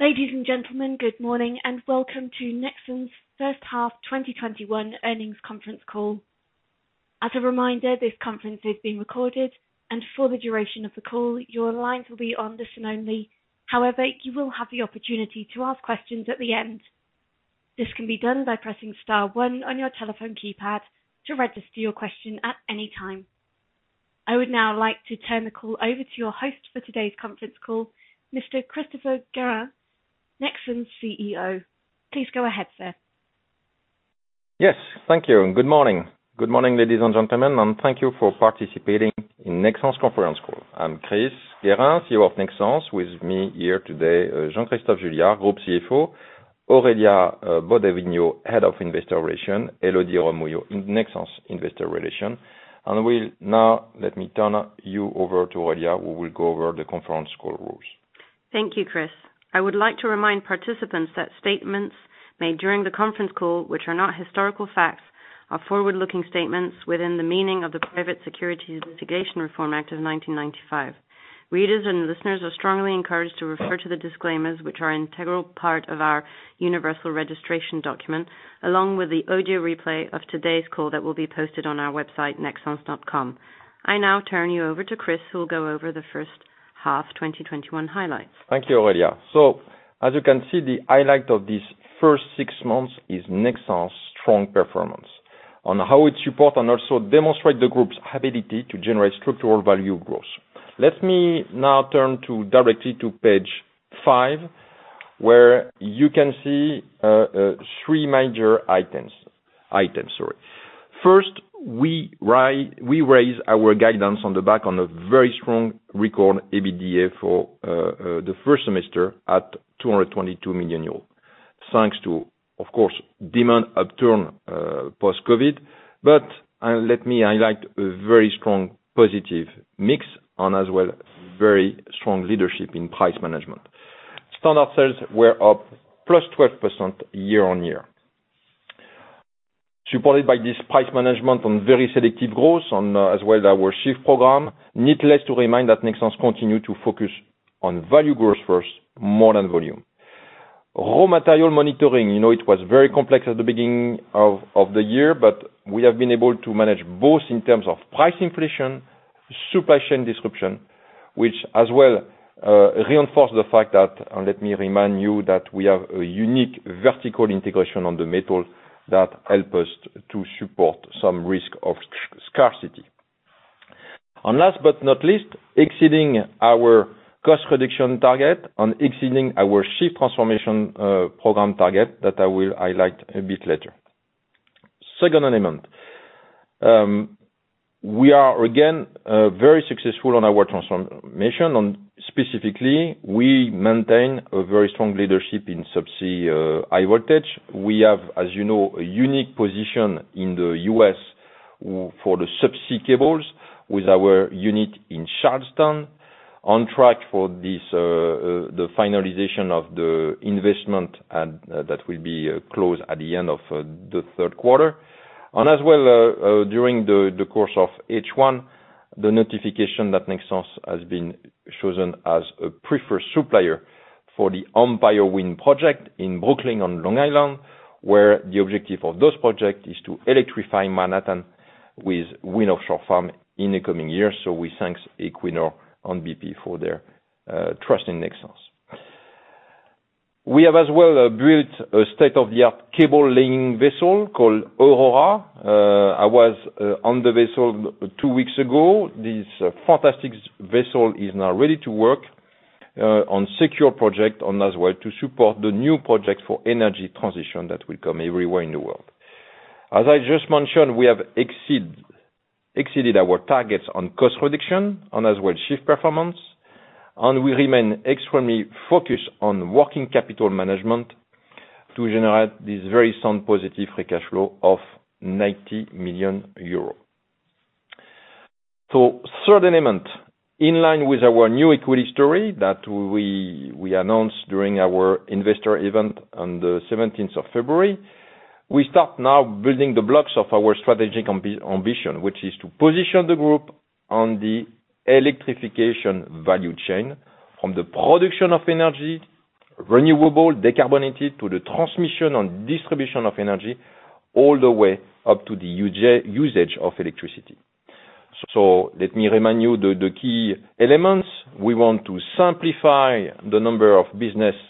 Ladies and gentlemen, good morning, and welcome to Nexans' first-half 2021 earnings conference call. I would now like to turn the call over to your host for today's conference call, Mr. Christopher Guérin, Nexans' CEO. Please go ahead, sir. Yes. Thank you, and good morning. Good morning, ladies and gentlemen, and thank you for participating in Nexans' conference call. I'm Chris Guérin, CEO of Nexans. With me here today, Jean-Christophe Juillard, Group CFO, Aurélia Bodin-Vignot, Head of Investor Relations, Elodie Romulo in Nexans Investor Relations. Now let me turn you over to Aurélia, who will go over the conference call rules. Thank you, Chris. I would like to remind participants that statements made during the conference call, which are not historical facts, are forward-looking statements within the meaning of the Private Securities Litigation Reform Act of 1995. Readers and listeners are strongly encouraged to refer to the disclaimers, which are integral part of our universal registration document, along with the audio replay of today's call that will be posted on our website, nexans.com. I now turn you over to Chris, who will go over the first-half 2021 highlights. Thank you, Aurélia. As you can see, the highlight of this first six months is Nexans' strong performance and how it supports and also demonstrates the group's ability to generate structural value growth. Let me now turn directly to page five, where you can see three major items. First, we raise our guidance on the back on a very strong record EBITDA for the first semester at 222 million euros, thanks to, of course, demand upturn post-COVID. Let me highlight a very strong positive mix and as well, very strong leadership in price management. Standard sales were up +12% year-on-year. Supported by this price management on very selective growth and as well our SHIFT program. Needless to remind that Nexans continue to focus on value growth first more than volume. Raw material monitoring, it was very complex at the beginning of the year, but we have been able to manage both in terms of price inflation, supply chain disruption, which as well reinforced the fact that, and let me remind you that we have a unique vertical integration on the metal that help us to support some risk of scarcity. Last but not least, exceeding our cost reduction target and exceeding our SHIFT transformation program target that I will highlight a bit later. Second element. We are again very successful on our transformation and specifically, we maintain a very strong leadership in subsea high voltage. We have, as you know, a unique position in the U.S. for the subsea cables with our unit in Charleston on track for the finalization of the investment, and that will be closed at the end of the third quarter. As well, during the course of H1, the notification that Nexans has been chosen as a preferred supplier for the Empire Wind project in Brooklyn on Long Island, where the objective of those project is to electrify Manhattan with wind offshore farm in the coming years. We thank Equinor and BP for their trust in Nexans. We have as well built a state-of-the-art cable laying vessel called Aurora. I was on the vessel two weeks ago. This fantastic vessel is now ready to work on secure project and as well to support the new project for energy transition that will come everywhere in the world. As I just mentioned, we have exceeded our targets on cost reduction and as well SHIFT performance, and we remain extremely focused on working capital management to generate this very sound positive free cash flow of 90 million euros. Third element, in line with our new equity story that we announced during our investor event on the 17th of February. We start now building the blocks of our strategic ambition, which is to position the group on the electrification value chain from the production of energy, renewable, decarbonated, to the transmission and distribution of energy, all the way up to the usage of electricity. Let me remind you the key elements. We want to simplify the number of businesses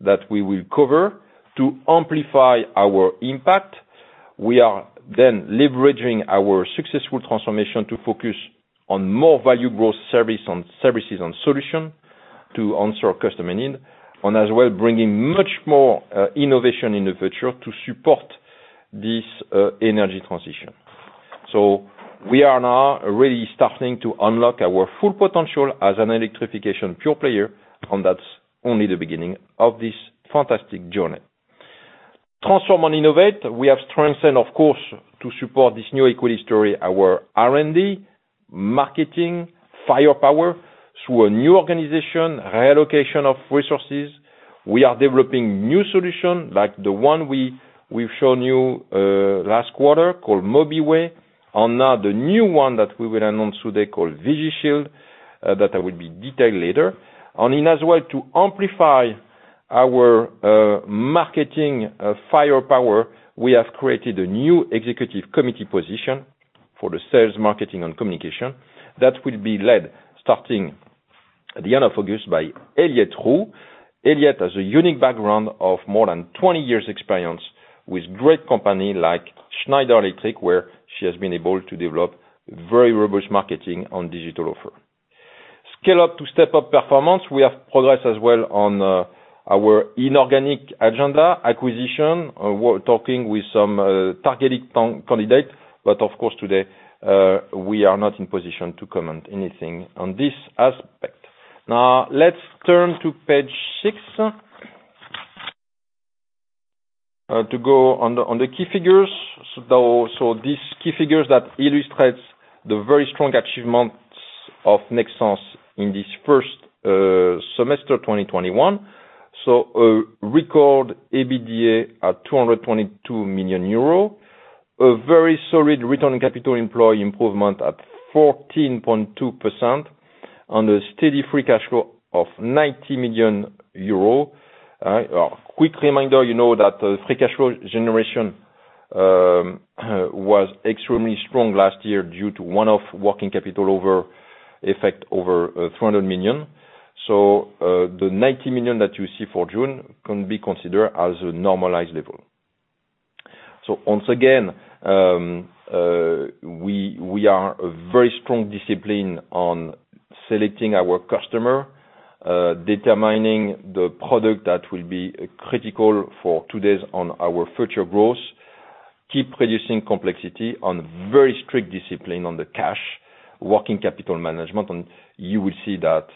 that we will cover to amplify our impact. We are leveraging our successful transformation to focus on more value growth services and solutions to answer customer needs, and as well bringing much more innovation in the future to support this energy transition. We are now really starting to unlock our full potential as an electrification pure player, and that's only the beginning of this fantastic journey. Transform and innovate. We have strengthened, of course, to support this new equity story, our R&D, marketing firepower through a new organization, reallocation of resources. We are developing new solution like the one we've shown you last quarter called MOBIWAY now the new one that we will announce today called VIGISHIELD, that I will be detailed later. In as well to amplify our marketing firepower, we have created a new Executive Committee position for the sales, marketing, and communication that will be led starting at the end of August by Elyette Roux. Elyette has a unique background of more than 20 years experience with great company like Schneider Electric, where she has been able to develop very robust marketing on digital offer. Scale up to step up performance. We have progressed as well on our inorganic agenda acquisition. We're talking with some targeted candidate, but of course today, we are not in position to comment anything on this aspect. Let's turn to page six, to go on the key figures. These key figures that illustrates the very strong achievements of Nexans in this first semester, 2021. A record EBITDA at 222 million euros. A very solid return on capital employed improvement at 14.2% on the steady free cash flow of 90 million euros. A quick reminder, you know that free cash flow generation was extremely strong last year due to one-off working capital over effect over 300 million. The 90 million that you see for June can be considered as a normalized level. Once again, we are a very strong discipline on selecting our customer, determining the product that will be critical for today's and our future growth, keep reducing complexity on very strict discipline on the cash working capital management. You will see that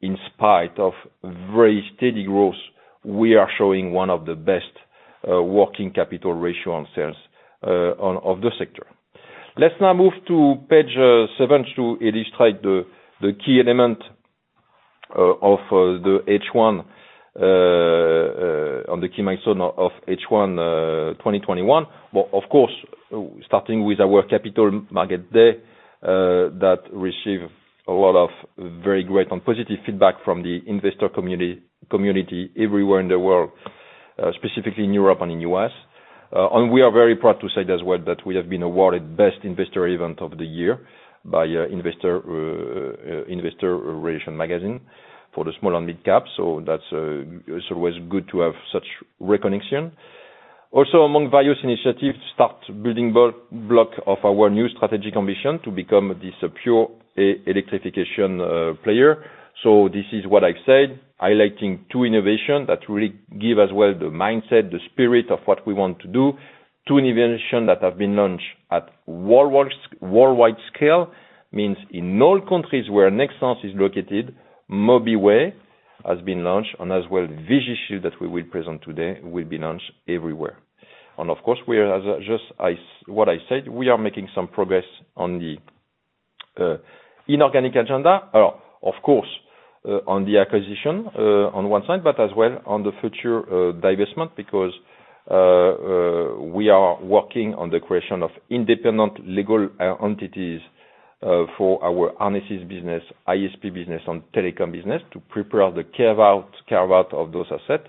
in spite of very steady growth, we are showing one of the best working capital ratio on sales of the sector. Let's now move to page seven to illustrate the key element of the H1 on the key milestone of H1 2021. Of course, starting with our capital market day, that receive a lot of very great and positive feedback from the investor community everywhere in the world, specifically in Europe and in the U.S. We are very proud to say as well that we have been awarded Best Investor Event of the Year by IR Magazine for the small and mid cap. That's always good to have such recognition. Among various initiatives, start building block of our new strategic ambition to become this pure electrification player. This is what I've said, highlighting two innovation that really give as well the mindset, the spirit of what we want to do. Two innovation that have been launched at worldwide scale, means in all countries where Nexans is located, MOBIWAY has been launched, and as well VIGISHIELD that we will present today will be launched everywhere. Of course, what I said, we are making some progress on the inorganic agenda. On the acquisition, on one side, but as well on the future divestment because we are working on the creation of independent legal entities, for our RS business, I&S business, and telecom business to prepare the carve out of those assets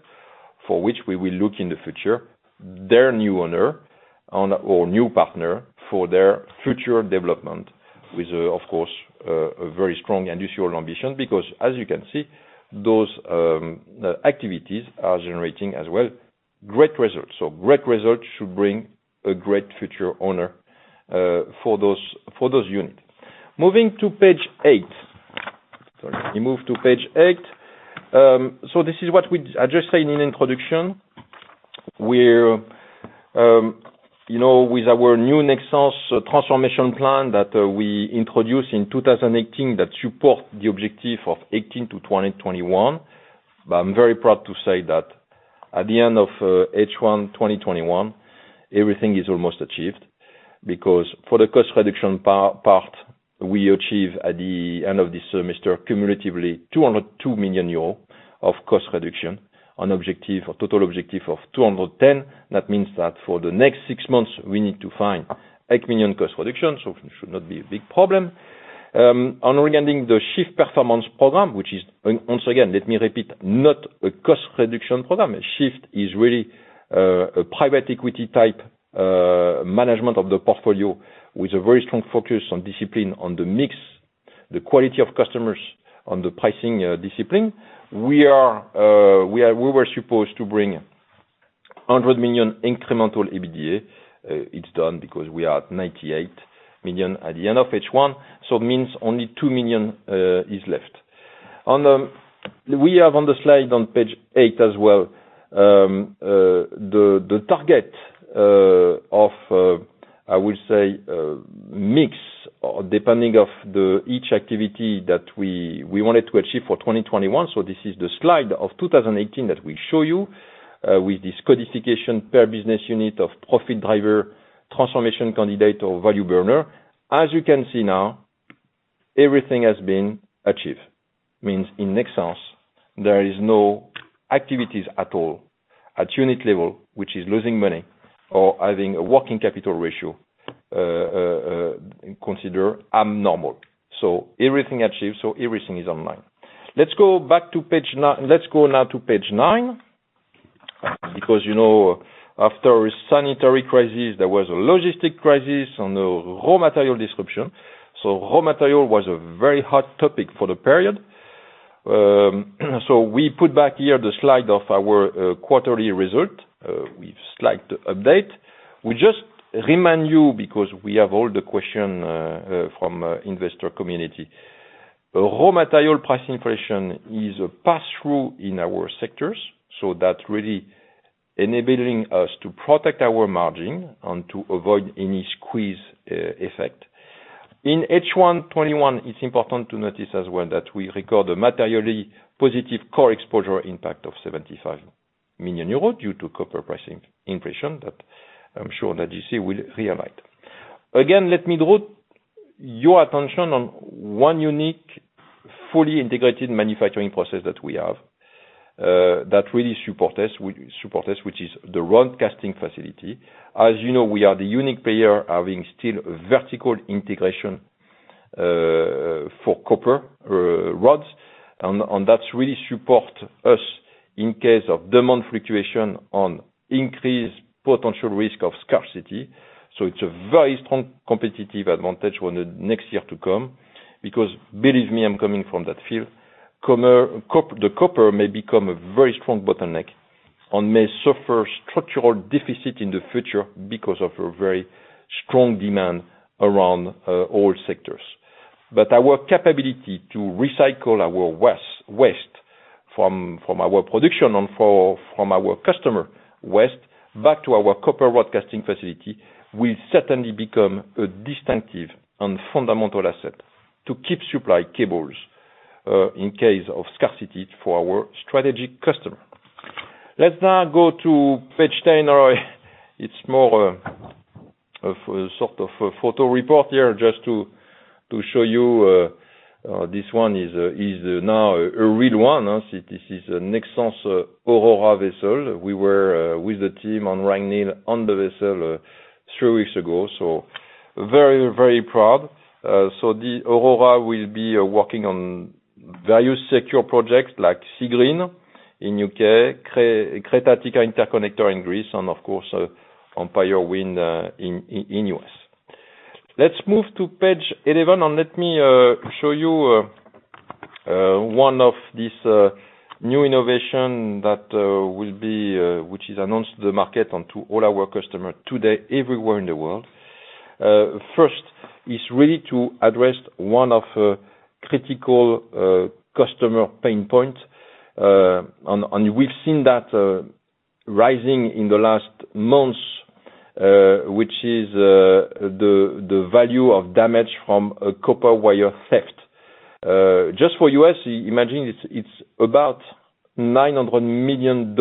for which we will look in the future, their new owner or new partner for their future development with, of course, a very strong industrial ambition because as you can see, those activities are generating as well great results. Great results should bring a great future owner for those unit. Moving to page eight. Sorry, let me move to page eight. This is what I just said in introduction, with our new Nexans transformation plan that we introduced in 2018 that support the objective of 2018-2021. I'm very proud to say that at the end of H1 2021, everything is almost achieved. For the cost reduction part, we achieve at the end of this semester, cumulatively 202 million euro of cost reduction on total objective of 210 million. That means that for the next six months, we need to find 8 million cost reduction, so it should not be a big problem. Regarding the SHIFT performance program, which is, once again, let me repeat, not a cost reduction program. SHIFT is really a private equity type management of the portfolio with a very strong focus on discipline on the mix, the quality of customers on the pricing discipline. We were supposed to bring 100 million incremental EBITDA. It is done because we are at 98 million at the end of H1, so it means only 2 million is left. We have on the slide on page eight as well, the target of, I would say, mix depending of the each activity that we wanted to achieve for 2021. This is the slide of 2018 that we show you, with this codification per business unit of profit driver transformation candidate or value burner. Everything has been achieved. Means in Nexans, there is no activities at all at unit level, which is losing money or having a working capital ratio considered abnormal. Everything achieved, everything is online. Let's go now to page nine, because after a sanitary crisis, there was a logistic crisis on the raw material disruption. Raw material was a very hot topic for the period. We put back here the slide of our quarterly result. We've slight update. We just remind you, because we have all the question from investor community. Raw material price inflation is a pass-through in our sectors, so that's really enabling us to protect our margin and to avoid any squeeze effect. In H1 2021, it's important to notice as well that we record a materially positive core exposure impact of 75 million euros due to copper price inflation that I'm sure that you see will realize. Again, let me draw your attention on one unique, fully integrated manufacturing process that we have that really support us, which is the rod casting facility. As you know, we are the unique player having still vertical integration for copper rods. That really support us in case of demand fluctuation on increased potential risk of scarcity. It's a very strong competitive advantage on the next year to come because believe me, I'm coming from that field. The copper may become a very strong bottleneck and may suffer structural deficit in the future because of a very strong demand around all sectors. Our capability to recycle our waste from our production and from our customer waste back to our copper rod casting facility will certainly become a distinctive and fundamental asset to keep supply cables in case of scarcity for our strategic customer. Let's now go to page 10. It's more of a sort of a photo report here just to show you. This one is now a real one. This is a Nexans Aurora vessel. We were with the team on Ragnhild on the vessel three weeks ago. Very proud. The Aurora will be working on very secure projects like Seagreen in U.K., Crete-Attica Interconnector in Greece, and of course, Empire Wind in U.S. Let's move to page 11, and let me show you one of these new innovations which is announced to the market and to all our customers today everywhere in the world. First, is really to address one of the critical customer pain points. We've seen that rising in the last months, which is the value of damage from copper wire theft. Just for U.S., imagine it's about $900 million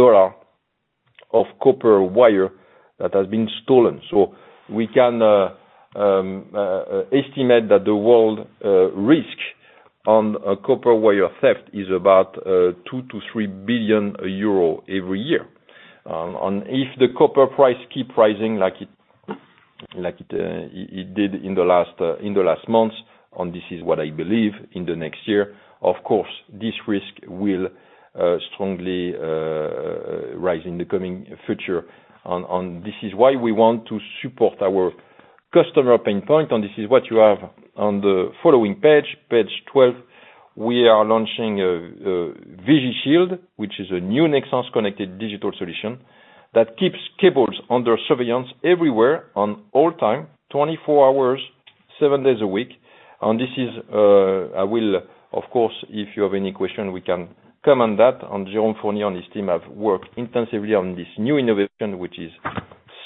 of copper wire that has been stolen. We can estimate that the world risk on copper wire theft is about 2 billion-3 billion euro every year. If the copper price keep rising like it did in the last months, and this is what I believe in the next year, of course, this risk will strongly rise in the coming future. This is why we want to support our customer pain point, and this is what you have on the following page 12. We are launching VIGISHIELD, which is a new Nexans connected digital solution that keeps cables under surveillance everywhere and all time, 24 hours, seven days a week. Of course, if you have any question, we can come on that. Jérôme Fournier and his team have worked intensively on this new innovation, which is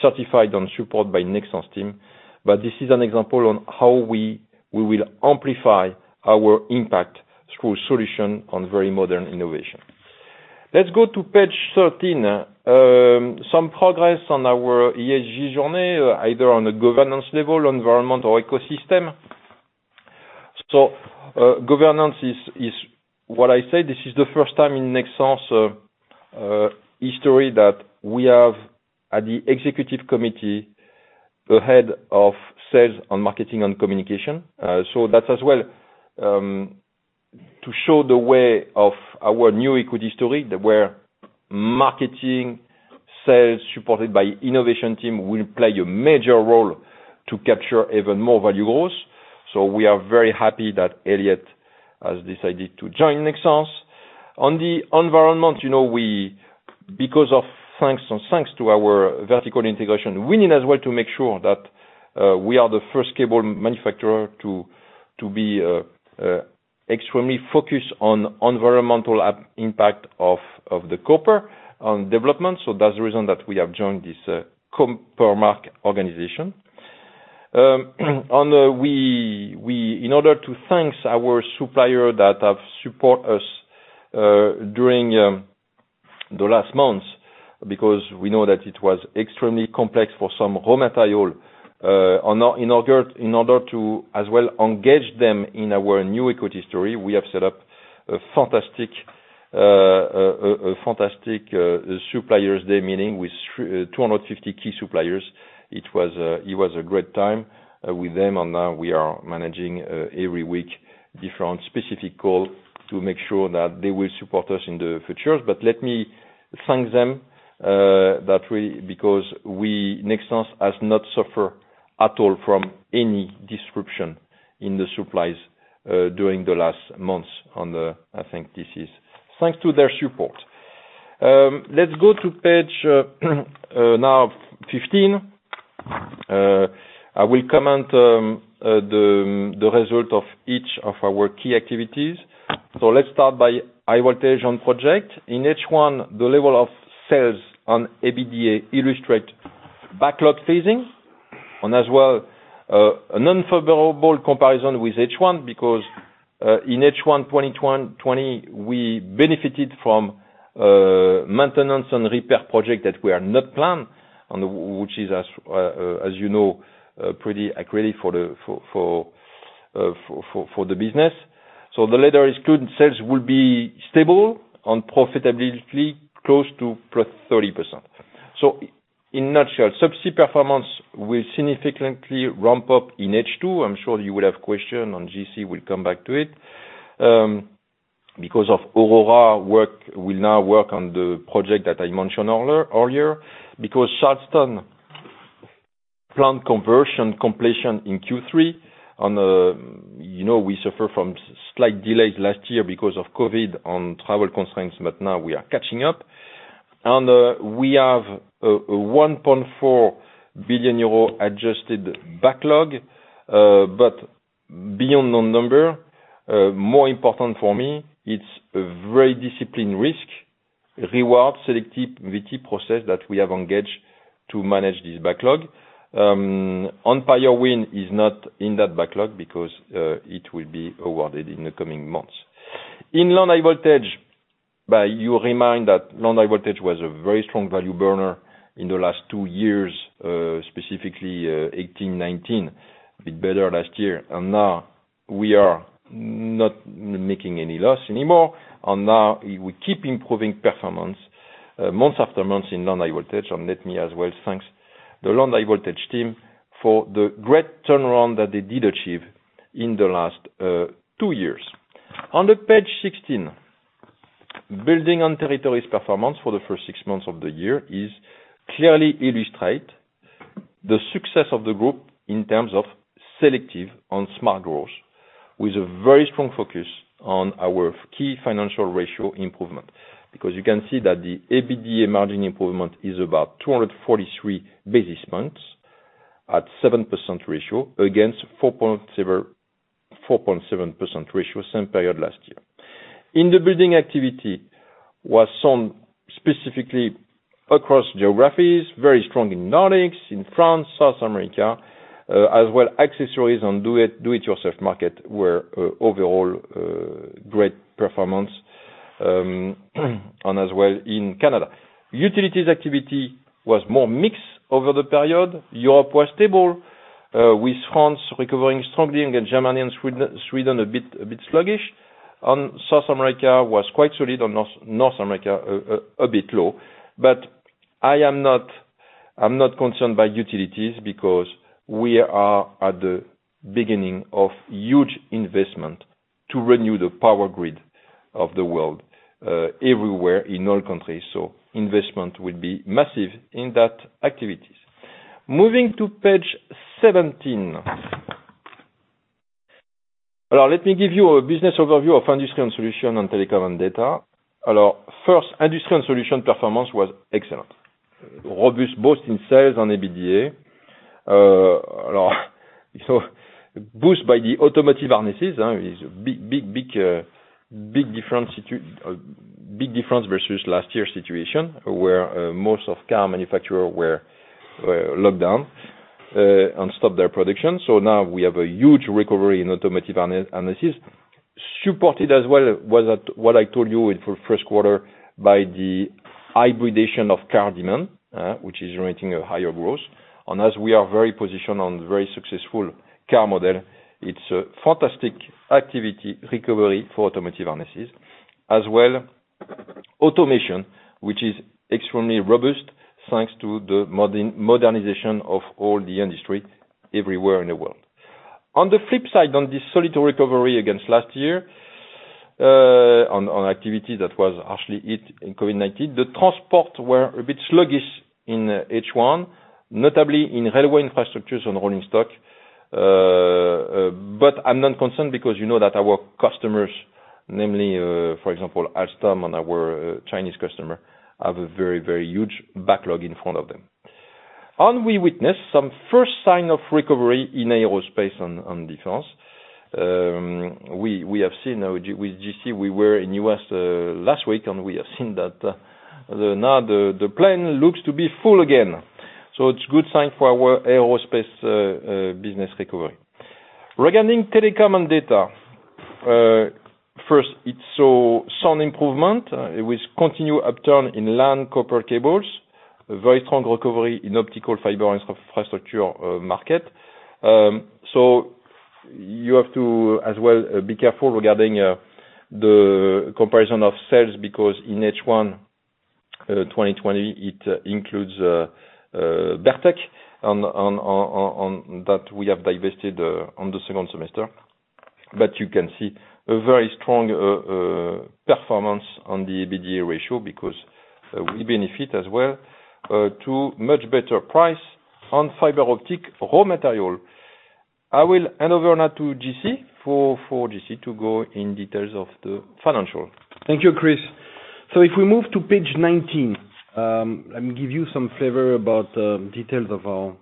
certified and support by Nexans team. This is an example on how we will amplify our impact through solution on very modern innovation. Let's go to page 13. Some progress on our ESG journey, either on the governance level, environment or ecosystem. Governance is what I say, this is the first time in Nexans history that we have at the Executive Committee, the head of sales and marketing and communication. That's as well to show the way of our new equity story, where marketing, sales, supported by innovation team will play a major role to capture even more value growth. We are very happy that Elyette has decided to join Nexans. On the environment, thanks to our vertical integration, we need as well to make sure that we are the first cable manufacturer to be extremely focused on environmental impact of the copper on development. That's the reason that we have joined The Copper Mark organization. In order to thank our supplier that have support us during the last months because we know that it was extremely complex for some raw material. In order to as well engage them in our new equity story, we have set up a fantastic suppliers day meeting with 250 key suppliers. It was a great time with them. Now we are managing every week different specific call to make sure that they will support us in the futures. Let me thank them, because we, Nexans, has not suffer at all from any disruption in the supplies during the last months. I think this is thanks to their support. Let's go to page now 15. I will comment the result of each of our key activities. Let's start by high voltage on project. In H1, the level of sales on EBITDA illustrate backlog phasing, as well, an unfavorable comparison with H1 because, in H1 2020, we benefited from maintenance and repair project that we are not planned, which is, as you know, pretty accretive for the business. The latter is good. Sales will be stable and profitability close to +30%. In nutshell, subsea performance will significantly ramp up in H2. I'm sure you will have question on J.C. will come back to it. Of Aurora work, we now work on the project that I mentioned earlier. Charleston plant conversion completion in Q3. You know, we suffer from slight delays last year because of COVID on travel constraints, now we are catching up. We have a 1.4 billion euro adjusted backlog. Beyond the number, more important for me, it's a very disciplined risk/reward selective vetting process process that we have engaged to manage this backlog. Empire Wind is not in that backlog because it will be awarded in the coming months. Long high voltage, by you remind that long high voltage was a very strong value burner in the last two years, specifically 2018, 2019. A bit better last year. Now we are not making any loss anymore. Now we keep improving performance, month after month in long high voltage. Let me as well thank the long high voltage team for the great turnaround that they did achieve in the last two years. On the page 16, Building & Territories performance for the first months of the year is clearly illustrate the success of the group in terms of selective on smart growth, with a very strong focus on our key financial ratio improvement. Because you can see that the EBITDA margin improvement is about 243 basis points at 7% ratio against 4.7% ratio same period last year. In the building activity was some specifically across geographies, very strong in Nordics, in France, South America, as well accessories and do-it-yourself market were overall great performance, and as well in Canada. Utilities activity was more mixed over the period. Europe was stable, with France recovering strongly and Germany and Sweden a bit sluggish, and South America was quite solid, and North America a bit low. I'm not concerned by utilities because we are at the beginning of huge investment to renew the power grid of the world, everywhere in all countries. Investment will be massive in that activities. Moving to page 17. Now let me give you a business overview of Industry & Solutions and Telecom & Data. First, Industry & Solutions performance was excellent. Robust both in sales and EBITDA. Boost by the automotive harnesses is big difference versus last year's situation where most of car manufacturer were locked down and stop their production. Now we have a huge recovery in automotive harnesses. Supported as well, what I told you for first quarter by the hybridization of car demand, which is generating a higher growth. As we are very positioned on very successful car model, it's a fantastic activity recovery for automotive harnesses, as well automation, which is extremely robust thanks to the modernization of all the industry everywhere in the world. On the flip side, on this solid recovery against last year, on activity that was harshly hit in COVID-19, the transport were a bit sluggish in H1, notably in railway infrastructures and rolling stock. I'm not concerned because you know that our customers, namely, for example, Alstom and our Chinese customer, have a very huge backlog in front of them. We witnessed some first sign of recovery in aerospace and defense. We have seen now with J.C., we were in U.S. last week, and we have seen that now the plane looks to be full again. It's good sign for our aerospace business recovery. Regarding telecom and data, first, it saw some improvement with continued upturn in LAN copper cables, a very strong recovery in optical fiber infrastructure market. You have to as well be careful regarding the comparison of sales, because in H1 2020, it includes Berk-Tek on that we have divested on the second semester. You can see a very strong performance on the EBITDA ratio because we benefit as well to much better price on fiber optic raw material. I will hand over now to J.C. for J.C. To go in details of the financial. Thank you, Chris. If we move to page 19, let me give you some flavor about details of our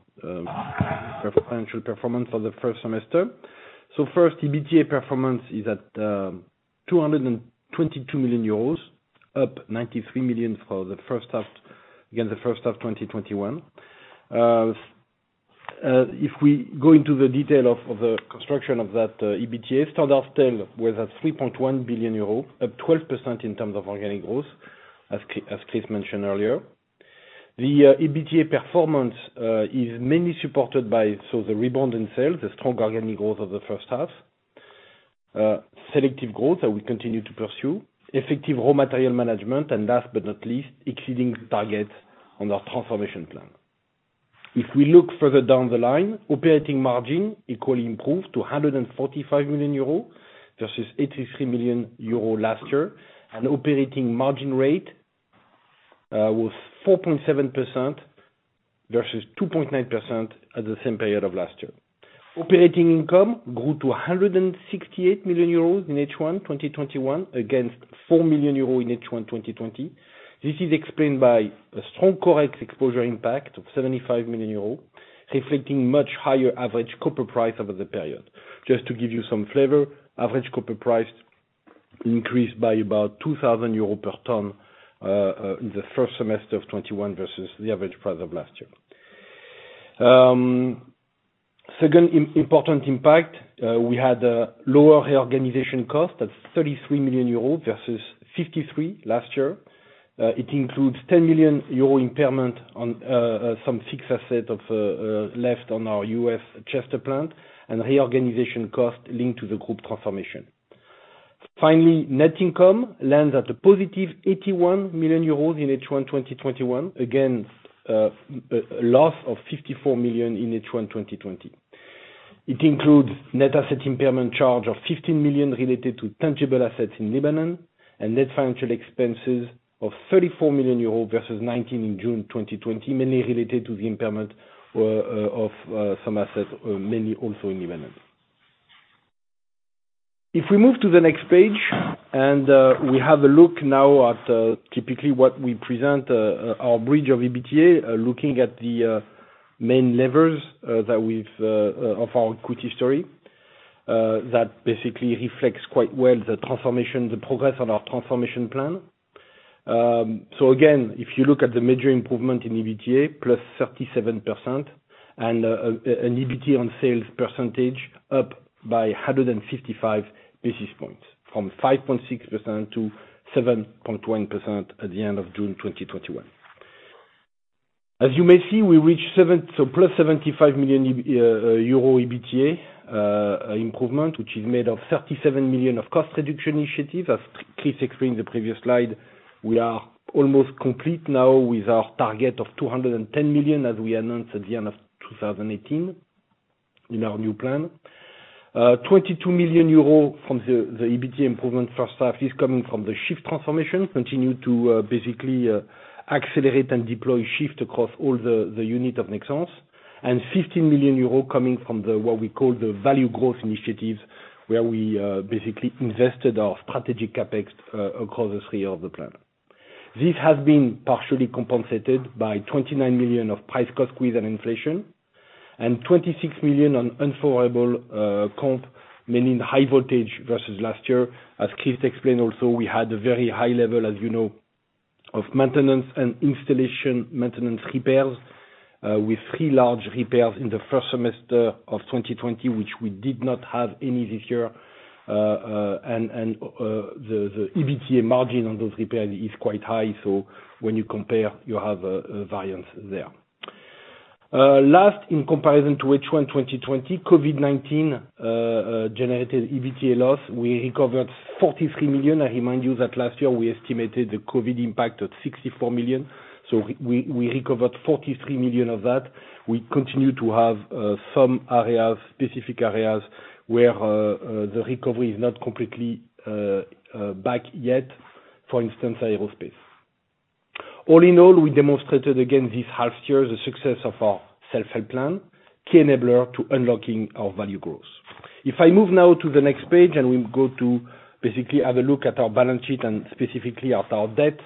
financial performance for the first semester. First, EBITDA performance is at 222 million euros, up 93 million for the first half against the first half 2021. If we go into the detail of the construction of that EBITDA, standard sales was at 3.1 billion euros, up 12% in terms of organic growth, as Chris mentioned earlier. The EBITDA performance is mainly supported by the rebound in sales, the strong organic growth of the first half, selective growth that we continue to pursue, effective raw material management, and last but not least, exceeding targets on our transformation plan. If we look further down the line, operating margin equally improved to 145 million euro versus 83 million euro last year, and operating margin rate was 4.7% versus 2.9% at the same period of last year. Operating income grew to 168 million euros in H1 2021 against 4 million euros in H1 2020. This is explained by a strong COEX exposure impact of 75 million euros, reflecting much higher average copper price over the period. Just to give you some flavor, average copper price increased by about 2,000 euros per ton in the first semester of 2021 versus the average price of last year. Second important impact, we had a lower reorganization cost at 33 million euros versus 53 million last year. It includes 10 million euro impairment on some fixed asset of left on our U.S. Charleston plant and reorganization cost linked to the group transformation. Finally, net income lands at a +81 million euros in H1 2021 against a loss of 54 million in H1 2020. It includes net asset impairment charge of 15 million related to tangible assets in Lebanon and net financial expenses of 34 million euros versus 19 in June 2020, mainly related to the impairment of some assets, mainly also in [Yemen]. If we move to the next page and we have a look now at typically what we present our bridge of EBITDA, looking at the main levers of our equity story, that basically reflects quite well the progress on our transformation plan. Again, if you look at the major improvement in EBITDA, +37%, and an EBIT on sales percentage up by 155 basis points from 5.6% to 7.1% at the end of June 2021. As you may see, we reached +75 million euro EBITDA improvement, which is made of 37 million of cost reduction initiative. As Chris explained the previous slide, we are almost complete now with our target of 210 million as we announced at the end of 2018 in our new plan. 22 million euro from the EBIT improvement first half is coming from the SHIFT transformation, continue to basically accelerate and deploy SHIFT across all the unit of Nexans, and 15 million euros coming from what we call the value growth initiatives, where we basically invested our strategic CapEx across the three of the plant. This has been partially compensated by 29 million of price cost squeeze and inflation and 26 million on unfavorable comp, meaning high voltage versus last year. As Chris explained also, we had a very high level, as you know, of maintenance and installation maintenance repairs with three large repairs in the first semester of 2020, which we did not have any this year. The EBITDA margin on those repairs is quite high. When you compare, you have a variance there. Last, in comparison to H1 2020, COVID-19 generated EBITDA loss. We recovered 43 million. I remind you that last year we estimated the COVID impact at 64 million. We recovered 43 million of that. We continue to have some specific areas where the recovery is not completely back yet, for instance, aerospace. All in all, we demonstrated again this half year the success of our self-help plan, key enabler to unlocking our value growth. If I move now to the next page and we go to basically have a look at our balance sheet and specifically at our debt.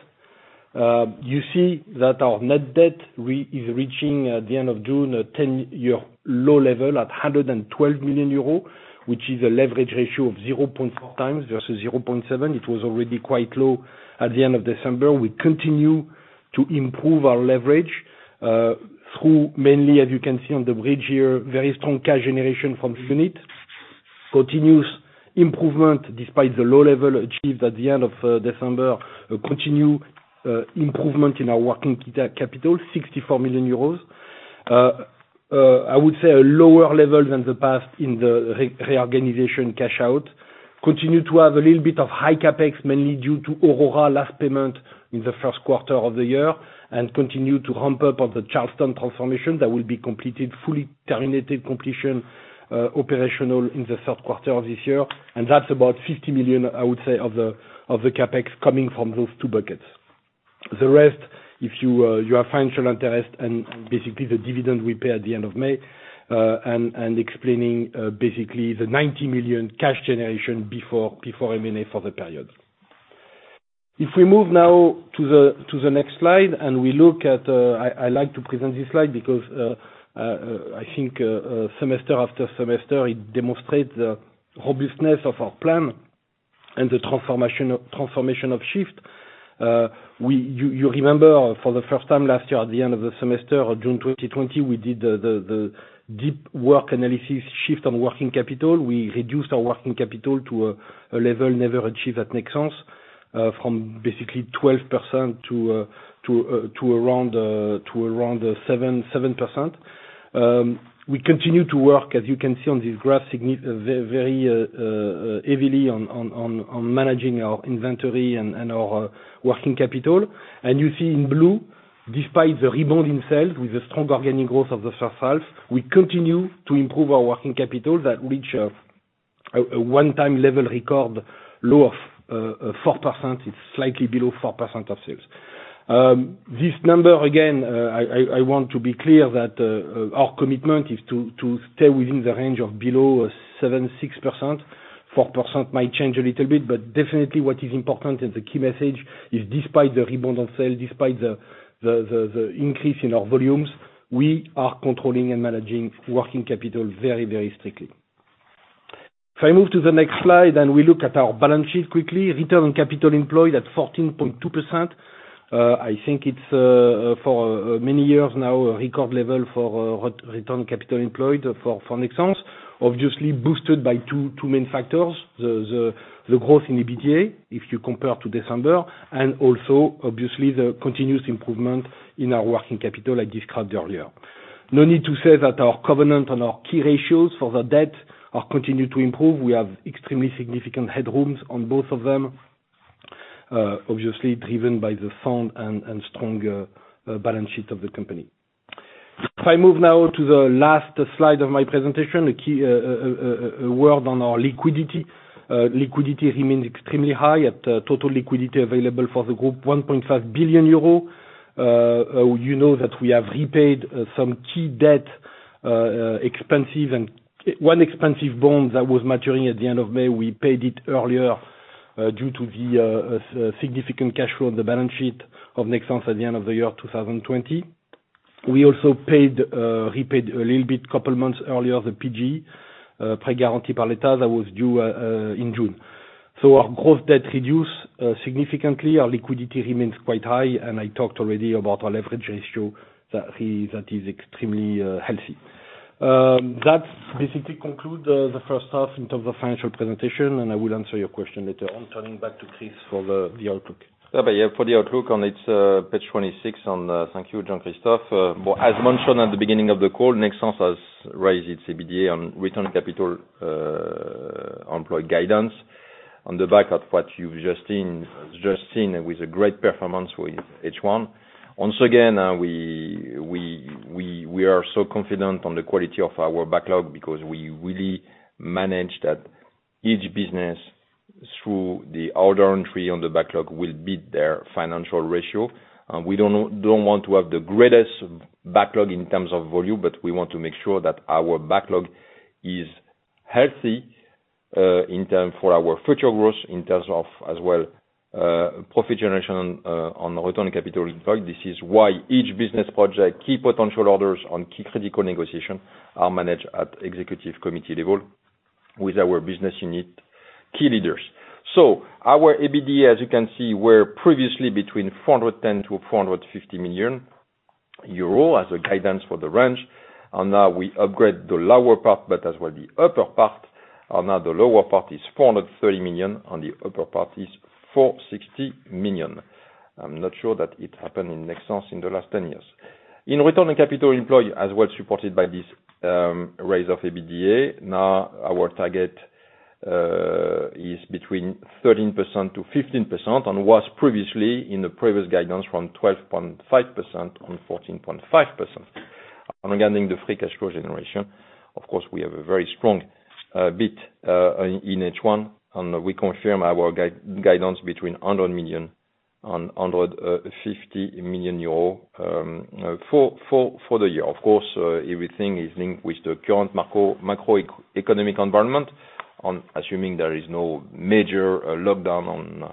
You see that our net debt is reaching at the end of June a 10-year low level at 112 million euro, which is a leverage ratio of 0.4x versus 0.7. It was already quite low at the end of December. We continue to improve our leverage. Through mainly, as you can see on the bridge here, very strong cash generation from units, continuous improvement despite the low level achieved at the end of December, a continued improvement in our working capital, 64 million euros. I would say a lower level than the past in the reorganization cash out. Continue to have a little bit of high CapEx, mainly due to Aurora last payment in the first quarter of the year, continue to ramp up on the Charleston transformation that will be completed, operational in the third quarter of this year. That's about 50 million, I would say, of the CapEx coming from those two buckets. The rest, if you have financial interest and basically the dividend we pay at the end of May, explaining basically the 90 million cash generation before M&A for the period. If we move now to the next slide, I like to present this slide because, I think semester after semester, it demonstrates the robustness of our plan and the transformation of SHIFT. You remember for the first time last year at the end of the semester of June 2020, we did the deep work analysis SHIFT on working capital. We reduced our working capital to a level never achieved at Nexans, from basically 12% to around 7%. We continue to work, as you can see on this graph, very heavily on managing our inventory and our working capital. You see in blue, despite the rebound in sales with the strong organic growth of the first half, we continue to improve our working capital that reach a one-time level record low of 4%. It's slightly below 4% of sales. This number, again, I want to be clear that our commitment is to stay within the range of below 7%, 6%. 4% might change a little bit, but definitely what is important and the key message is despite the rebound on sales, despite the increase in our volumes, we are controlling and managing working capital very strictly. If I move to the next slide, and we look at our balance sheet quickly, return on capital employed at 14.2%. I think it's for many years now, a record level for return capital employed for Nexans, obviously boosted by two main factors, the growth in EBITDA, if you compare to December, and also obviously the continuous improvement in our working capital, I described earlier. No need to say that our covenant and our key ratios for the debt are continuing to improve. We have extremely significant headrooms on both of them, obviously driven by the sound and stronger balance sheet of the company. If I move now to the last slide of my presentation, a word on our liquidity. Liquidity remains extremely high at total liquidity available for the group, 1.5 billion euro. You know that we have repaid some key debt, one expensive bond that was maturing at the end of May. We paid it earlier, due to the significant cash flow on the balance sheet of Nexans at the end of the year 2020. We also repaid a little bit couple months earlier, the PGE, Prêt Garanti par l'État, that was due in June. Our growth debt reduced significantly. Our liquidity remains quite high, and I talked already about our leverage ratio that is extremely healthy. That basically concludes the first half in terms of financial presentation. I will answer your question later on, turning back to Chris for the outlook. Yeah, for the outlook, it's page 26. Thank you, Jean-Christophe. As mentioned at the beginning of the call, Nexans has raised its EBITDA on return capital employed guidance on the back of what you've just seen, with a great performance with H1. Once again, we are so confident on the quality of our backlog because we really managed that each business, through the order entry on the backlog, will beat their financial ratio. We don't want to have the greatest backlog in terms of volume, we want to make sure that our backlog is healthy for our future growth in terms of as well, profit generation, on return capital employed. This is why each business project, key potential orders on key critical negotiation, are managed at Executive Committee level with our business unit key leaders. Our EBITDA, as you can see, were previously between 410 million-450 million euro as a guidance for the range. Now we upgrade the lower part, but as well the upper part. Now the lower part is 430 million, and the upper part is 460 million. I'm not sure that it happened in Nexans in the last 10 years. In return on capital employed, as well supported by this raise of EBITDA, now our target is between 13%-15%, and was previously in the previous guidance from 12.5% and 14.5%. Regarding the free cash flow generation, of course, we have a very strong beat in H1, and we confirm our guidance between 100 million and 150 million euro for the year. Of course, everything is linked with the current macroeconomic environment, assuming there is no major lockdown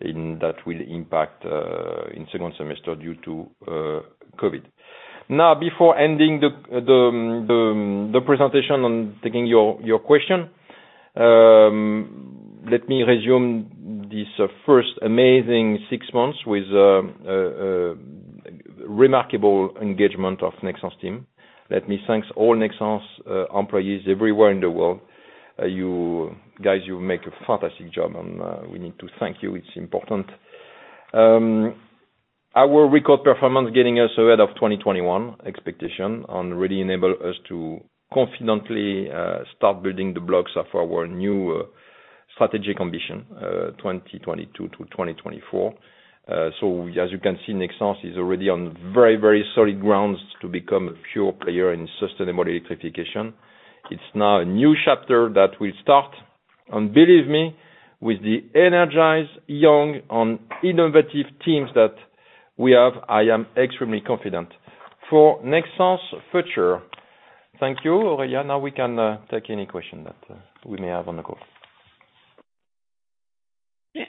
that will impact in second semester due to COVID. Before ending the presentation and taking your question. Let me resume this first amazing six months with remarkable engagement of Nexans team. Let me thank all Nexans employees everywhere in the world. You guys, you make a fantastic job, and we need to thank you. It's important. Our record performance getting us ahead of 2021 expectation and really enable us to confidently start building the blocks of our new strategic ambition 2022-2024. As you can see, Nexans is already on very solid grounds to become a pure player in sustainable electrification. It's now a new chapter that will start, and believe me, with the energized, young, and innovative teams that we have, I am extremely confident for Nexans' future. Thank you, [operator]. Now we can take any question that we may have on the call. The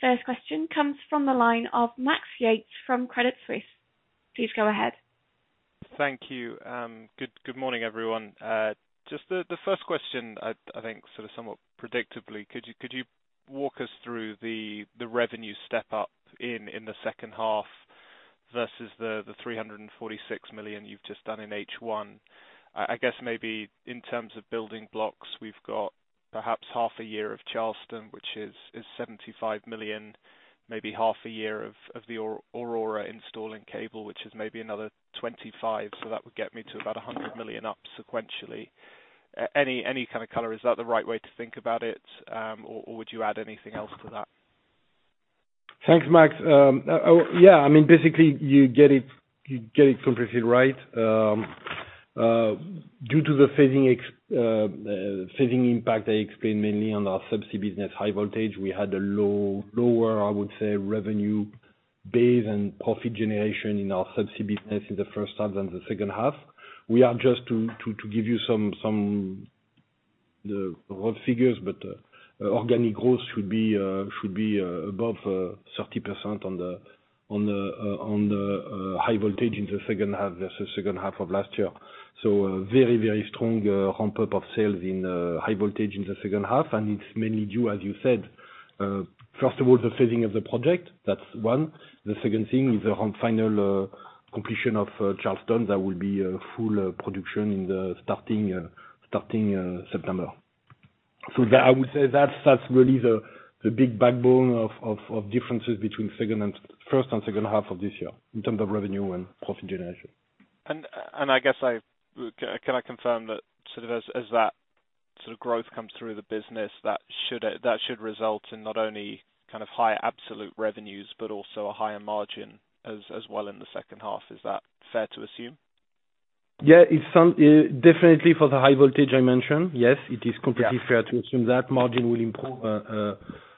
first question comes from the line of Max Yates from Credit Suisse. Please go ahead. Thank you. Good morning, everyone. The first question, I think sort of somewhat predictably, could you walk us through the revenue step-up in the second half versus the 346 million you've just done in H1? I guess maybe in terms of building blocks, we've got perhaps half a year of Charleston, which is 75 million, maybe half a year of the Aurora installing cable, which is maybe another 25. That would get me to about 100 million up sequentially. Any kind of color? Is that the right way to think about it? Would you add anything else to that? Thanks, Max. Yeah, basically, you get it completely right. Due to the phasing impact I explained mainly on our subsea business high voltage, we had a lower, I would say, revenue base and profit generation in our subsea business in the first half than the second half. Organic growth should be above 30% on the high voltage in the second half versus second half of last year. Very strong ramp-up of sales in high voltage in the second half, and it's mainly due, as you said, first of all, the phasing of the project. That's one. The second thing is on final completion of Charleston. That will be full production starting September. I would say that's really the big backbone of differences between first and second half of this year in terms of revenue and profit generation. I guess, can I confirm that sort of as that growth comes through the business, that should result in not only kind of higher absolute revenues but also a higher margin as well in the second half? Is that fair to assume? Yeah, definitely for the high voltage I mentioned. Yes, it is completely fair to assume that margin will improve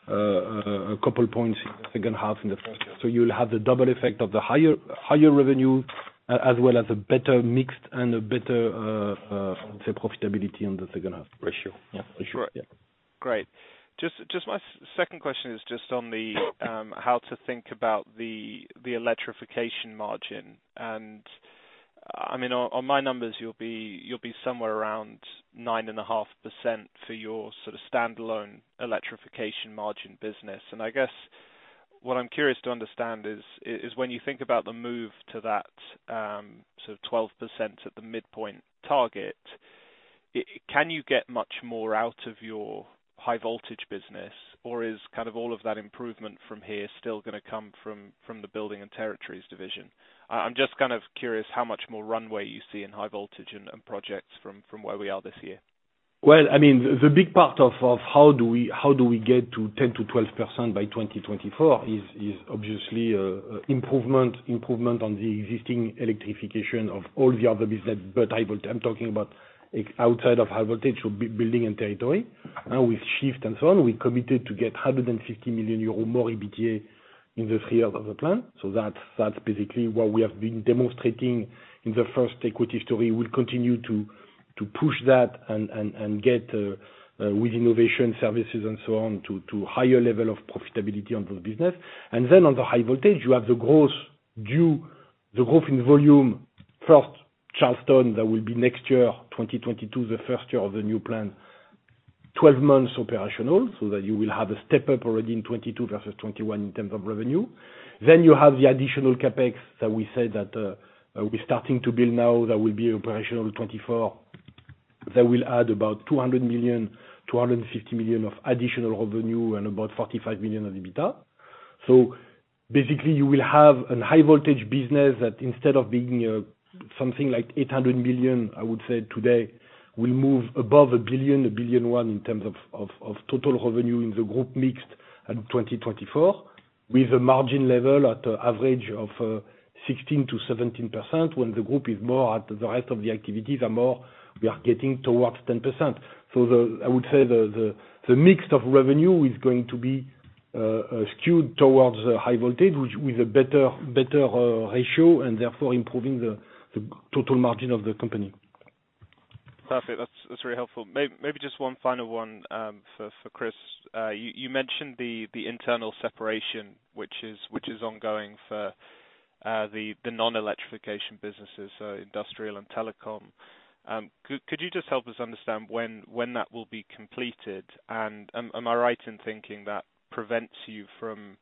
a couple points in the second half than the first half. You will have the double effect of the higher revenue as well as a better mix and a better profitability in the second half. For sure. Yeah. Great. My second question is just on how to think about the electrification margin, and on my numbers, you'll be somewhere around 9.5% for your sort of standalone electrification margin business. I guess what I'm curious to understand is when you think about the move to that sort of 12% at the midpoint target, can you get much more out of your high voltage business? Is kind of all of that improvement from here still going to come from the Building & Territories division? I'm just kind of curious how much more runway you see in high voltage and projects from where we are this year. The big part of how do we get to 10%-12% by 2024 is obviously improvement on the existing electrification of all the other business. I'm talking about outside of high voltage, so Building & Territories. With SHIFT and so on, we committed to get 150 million euro more EBITDA in the three years of the plan. That's basically what we have been demonstrating in the first equity story. We'll continue to push that and get with innovation services and so on to higher level of profitability on those business. On the high voltage, you have the growth in volume, first Charleston, that will be next year, 2022, the first year of the new plan, 12 months operational, so that you will have a step-up already in 2022 versus 2021 in terms of revenue. You have the additional CapEx that we said that we're starting to build now that will be operational 2024. That will add about 200 million, 250 million of additional revenue and about 45 million of EBITDA. Basically you will have a high voltage business that instead of being something like 800 million, I would say today will move above 1.1 billion in terms of total revenue in the group mix at 2024 with a margin level at average of 16%-17% when the group is more at the rest of the activities are more, we are getting towards 10%. I would say the mix of revenue is going to be skewed towards high voltage, with a better ratio, and therefore improving the total margin of the company. Perfect. That's very helpful. Maybe just one final one for Chris. You mentioned the internal separation, which is ongoing for the non-electrification businesses, so industrial and telecom. Could you just help us understand when that will be completed? Am I right in thinking that prevents you from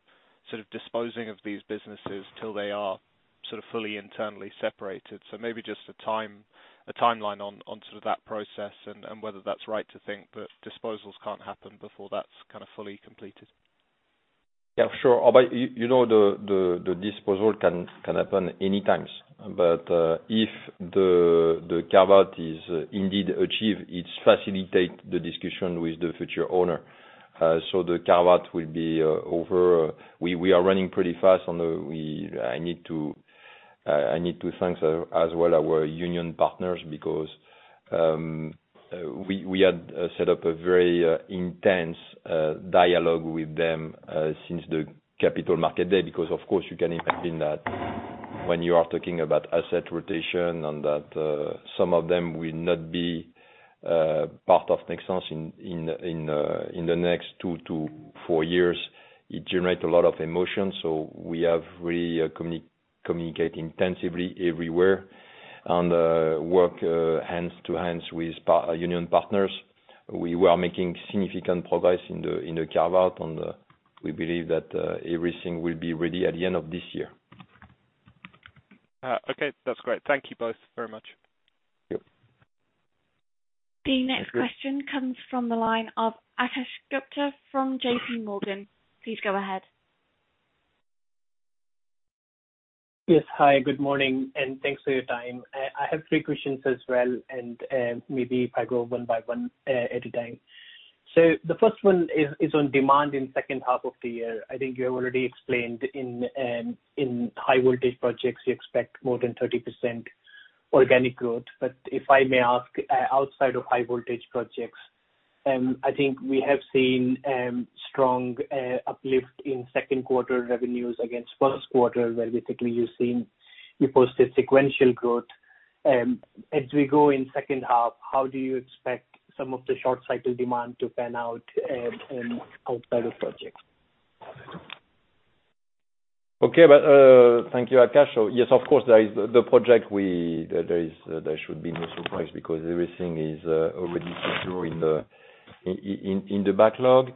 disposing of these businesses till they are fully internally separated? Maybe just a timeline on that process and whether that's right to think that disposals can't happen before that's fully completed. Yeah, sure. The disposal can happen anytime. If the carve-out is indeed achieved, it facilitates the discussion with the future owner. The carve-out will be over. We are running pretty fast. I need to thank as well our union partners, because we had set up a very intense dialogue with them since the capital market day, because of course you can imagine that when you are talking about asset rotation and that some of them will not be part of Nexans in the next two to four years, it generates a lot of emotion. We have really communicated intensively everywhere and work hands to hands with union partners. We were making significant progress in the carve-out, and we believe that everything will be ready at the end of this year. Okay. That's great. Thank you both very much. Yep. The next question comes from the line of Akash Gupta from JPMorgan. Please go ahead. Yes. Hi, good morning, and thanks for your time. I have three questions as well, maybe if I go one by one at a time. The first one is on demand in second half of the year. I think you have already explained in high voltage projects, you expect more than 30% organic growth. If I may ask, outside of high voltage projects, I think we have seen strong uplift in second quarter revenues against first quarter, where basically you posted sequential growth. As we go in second half, how do you expect some of the short cycle demand to pan out outside of projects? Okay. Thank you, Akash. Yes, of course, the project, there should be no surprise because everything is already secure in the backlog.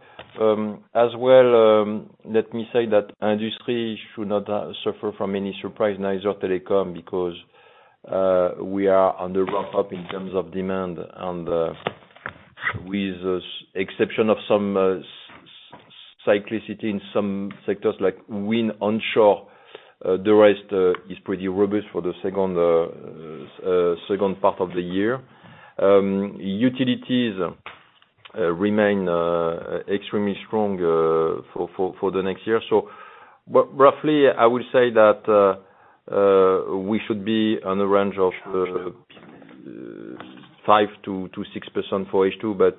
As well, let me say that industry should not suffer from any surprise, neither telecom, because we are on the ramp-up in terms of demand. With exception of some cyclicity in some sectors like wind onshore, the rest is pretty robust for the second part of the year. Utilities remain extremely strong for the next year. Roughly, I would say that we should be on a range of 5%-6% for H2.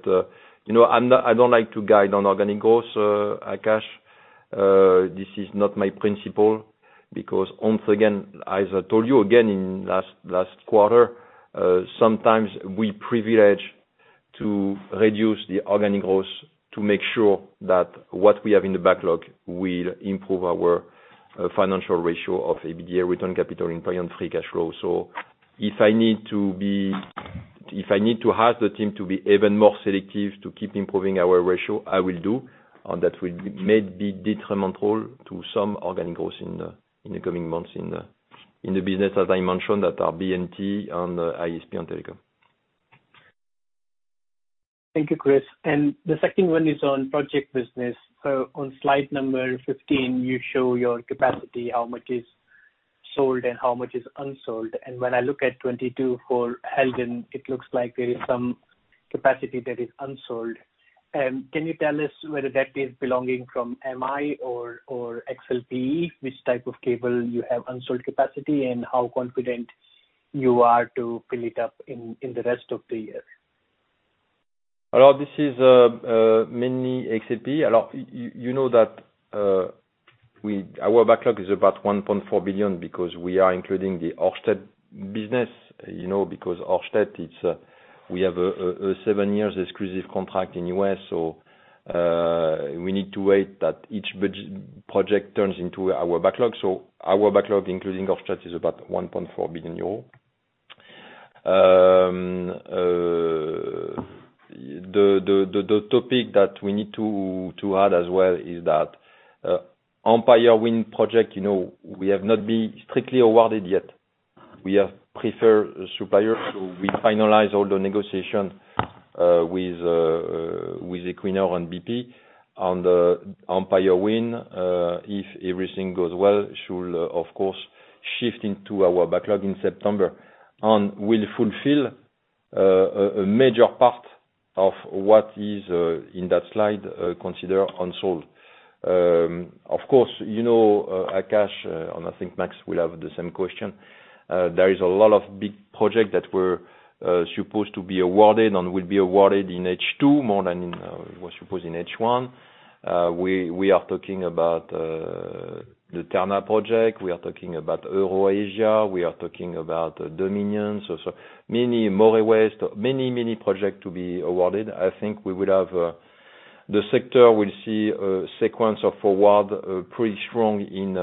I don't like to guide on organic growth, Akash. This is not my principle, because once again, as I told you again in last quarter, sometimes we privilege to reduce the organic growth to make sure that what we have in the backlog will improve our financial ratio of EBITDA, return capital employed and free cash flow. If I need to have the team to be even more selective to keep improving our ratio, I will do, and that will may be detrimental to some organic growth in the coming months in the business, as I mentioned, that are B&T and I&S on telecom. Thank you, Chris. The second one is on project business. On slide number 15, you show your capacity, how much is sold and how much is unsold. When I look at 2022 for Halden, it looks like there is some capacity that is unsold. Can you tell us whether that is belonging from MI or XLPE? Which type of cable you have unsold capacity, and how confident you are to fill it up in the rest of the year? This is mainly XLPE. You know that our backlog is about 1.4 billion because we are including the Ørsted business. Ørsted, we have a seven years exclusive contract in U.S., we need to wait that each project turns into our backlog. Our backlog, including Ørsted, is about 1.4 billion euros. The topic that we need to add as well is that Empire Wind project, we have not been strictly awarded yet. We are preferred supplier, we finalize all the negotiation with Equinor and BP on the Empire Wind. If everything goes well, should, of course, shift into our backlog in September and will fulfill a major part of what is in that slide considered unsold. Of course, Akash, and I think Max will have the same question, there is a lot of big project that were supposed to be awarded and will be awarded in H2 more than it was supposed in H1. We are talking about the Terna project. We are talking about EuroAsia. We are talking about Dominion. Moray West, many projects to be awarded. I think the sector will see a sequence of awards pretty strong in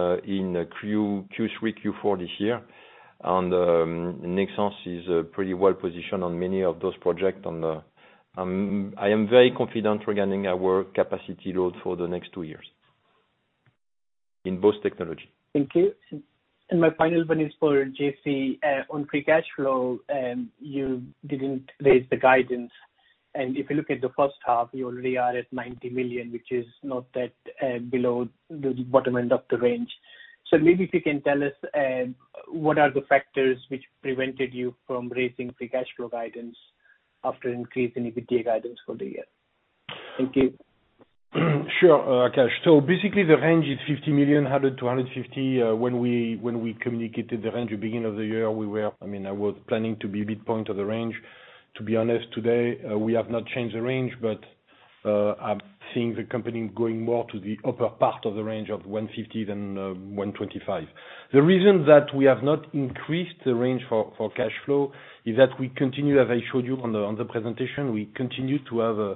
Q3, Q4 this year, and Nexans is pretty well-positioned on many of those projects. I am very confident regarding our capacity load for the next two years in both technology. Thank you. My final one is for J.C. On free cash flow, you didn't raise the guidance, and if you look at the first half, you already are at 90 million, which is not that below the bottom end of the range. Maybe if you can tell us what are the factors which prevented you from raising free cash flow guidance after increasing EBITDA guidance for the year. Thank you. Sure, Akash. Basically, the range is 50 million, 100 million-150 million. When we communicated the range at the beginning of the year, I was planning to be midpoint of the range. To be honest, today, we have not changed the range, but I'm seeing the company going more to the upper part of the range of 150 million than 125 million. The reason that we have not increased the range for cash flow is that we continue, as I showed you on the presentation, we continue to have a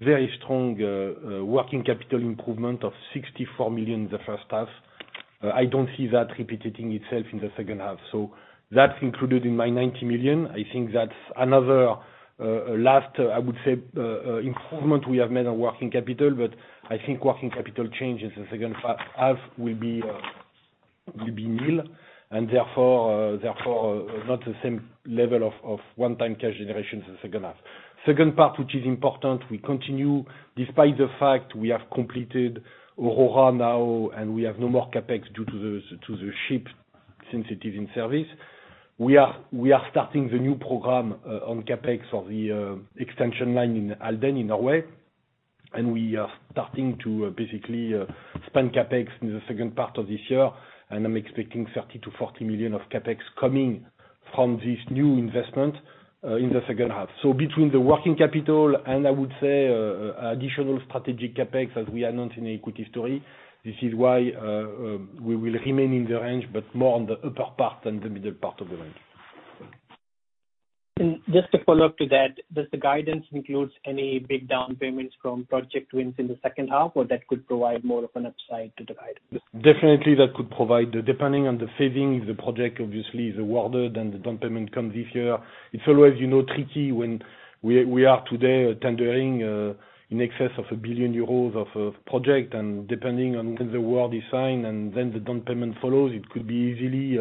very strong working capital improvement of 64 million in the first half. I don't see that repeating itself in the second half. That's included in my 90 million. I think that's another last, I would say, improvement we have made on working capital, but I think working capital changes in the second half will be nil, and therefore not the same level of one-time cash generation in the second half. Second part, which is important, we continue despite the fact we have completed Aurora now and we have no more CapEx due to the ship since it is in service. We are starting the new program on CapEx on the extension line in Halden, in Norway, and we are starting to basically spend CapEx in the second part of this year, and I'm expecting 30 million-40 million of CapEx coming from this new investment in the second half. Between the working capital and I would say additional strategic CapEx, as we announced in the equity story, this is why we will remain in the range, but more on the upper part than the middle part of the range. Just to follow up to that, does the guidance includes any big down payments from project wins in the second half, or that could provide more of an upside to the guidance? Definitely, that could provide, depending on the savings, the project obviously is awarded, and the down payment comes this year. It's always tricky when we are today tendering in excess of 1 billion euros of project, and depending on when the award is signed, and then the down payment follows, it could be easily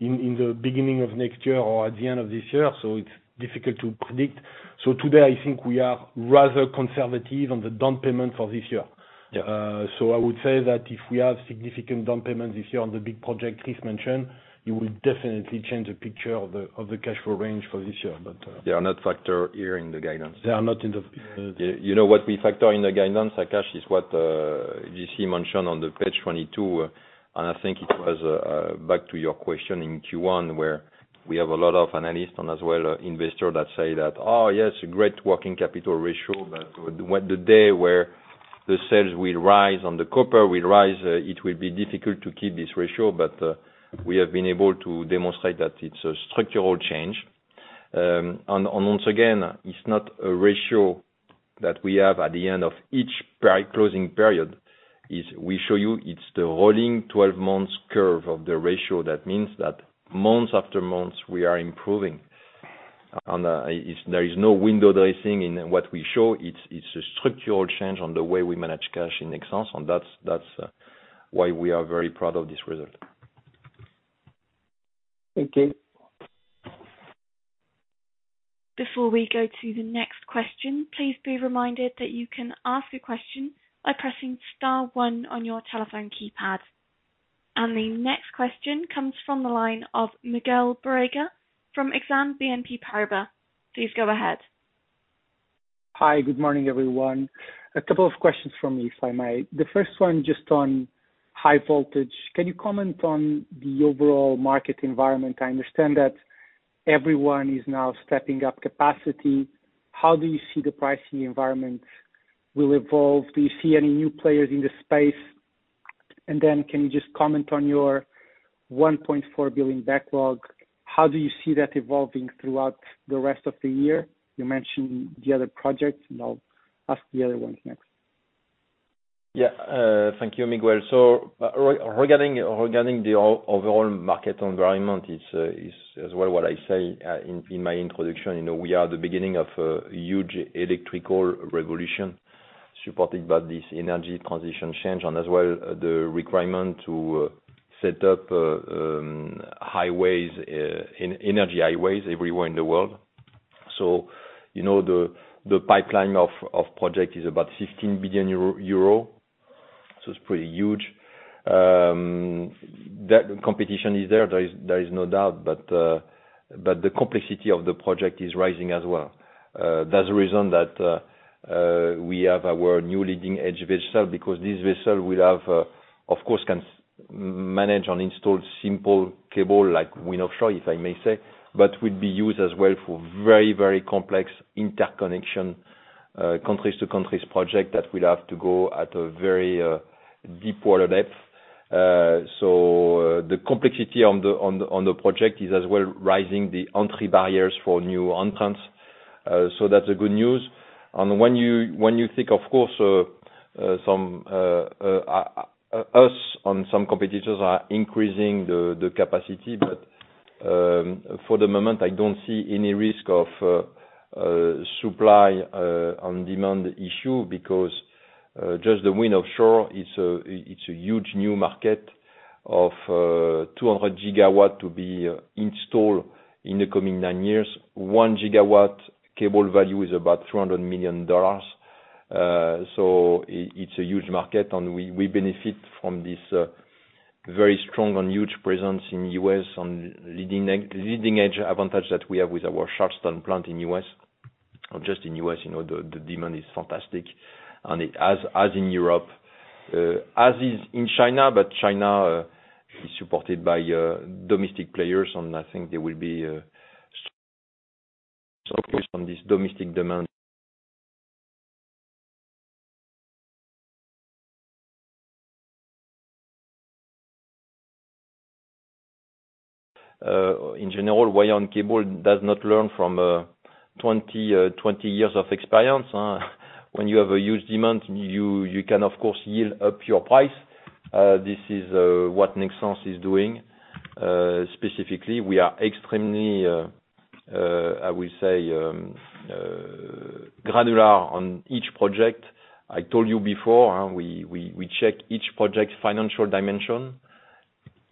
in the beginning of next year or at the end of this year. It's difficult to predict. Today, I think we are rather conservative on the down payment for this year. Yeah. I would say that if we have significant down payments this year on the big project Chris mentioned, it will definitely change the picture of the cash flow range for this year. They are not factored here in the guidance. They are not in the. You know what we factor in the guidance, Akash, is what J.C. mentioned on page 22, and I think it was back to your question in Q1, where we have a lot of analysts and as well investors that say that, "Oh, yes, great working capital ratio, but the day where the sales will rise and the copper will rise, it will be difficult to keep this ratio." We have been able to demonstrate that it's a structural change. Once again, it's not a ratio that we have at the end of each closing period. We show you it's the rolling 12 months curve of the ratio. That means that month after month, we are improving. There is no window dressing in what we show. It's a structural change on the way we manage cash in Nexans, and that's why we are very proud of this result. Thank you. The next question comes from the line of Miguel Borrega from Exane BNP Paribas. Please go ahead. Hi. Good morning, everyone. A couple of questions from me, if I may. The first one just on high voltage. Can you comment on the overall market environment? I understand that everyone is now stepping up capacity. How do you see the pricing environment will evolve? Do you see any new players in the space? Can you just comment on your 1.4 billion backlog? How do you see that evolving throughout the rest of the year? You mentioned the other projects, and I'll ask the other ones next. Thank you, Miguel. Regarding the overall market environment, it's as well what I say in my introduction. We are at the beginning of a huge electrical revolution supported by this energy transition change, and as well, the requirement to set up energy highways everywhere in the world. The pipeline of project is about 15 billion euro, it's pretty huge. Competition is there is no doubt, but the complexity of the project is rising as well. That's the reason that we have our new leading-edge vessel because this vessel will, of course, can manage and install simple cable like wind offshore, if I may say, but will be used as well for very complex interconnection countries to countries project that will have to go at a very deep water depth. The complexity on the project is as well rising the entry barriers for new entrants. That's the good news. When you think, of course, us and some competitors are increasing the capacity. For the moment, I don't see any risk of supply on demand issue because just the wind offshore, it's a huge new market of 200 GW to be installed in the coming nine years. 1 GW cable value is about $300 million. It's a huge market, and we benefit from this very strong and huge presence in U.S., on leading-edge advantage that we have with our Charleston plant in U.S. Just in U.S., the demand is fantastic. As in Europe, as is in China, but China is supported by domestic players, and I think they will be focused on this domestic demand. In general, Wayon Cable does not learn from 20 years of experience. When you have a huge demand, you can, of course, yield up your price. This is what Nexans is doing. Specifically, we are extremely, I would say, granular on each project. I told you before, we check each project's financial dimension,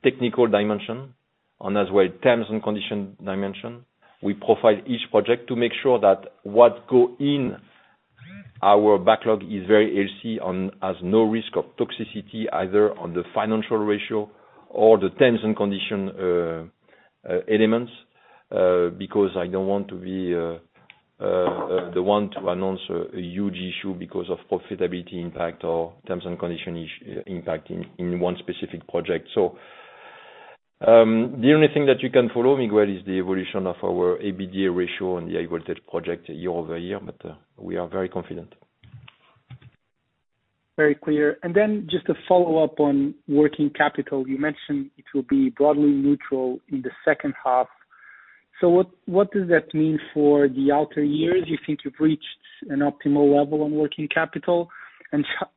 technical dimension, and as well terms and condition dimension. We profile each project to make sure that what go in our backlog is very healthy and has no risk of toxicity either on the financial ratio or the terms and condition elements, because I don't want to be the one to announce a huge issue because of profitability impact or terms and condition impact in one specific project. The only thing that you can follow, Miguel, is the evolution of our EBITDA ratio on the high voltage project year-over-year, but we are very confident. Very clear. Then just a follow-up on working capital. You mentioned it will be broadly neutral in the second half. What does that mean for the outer years? You think you've reached an optimal level on working capital?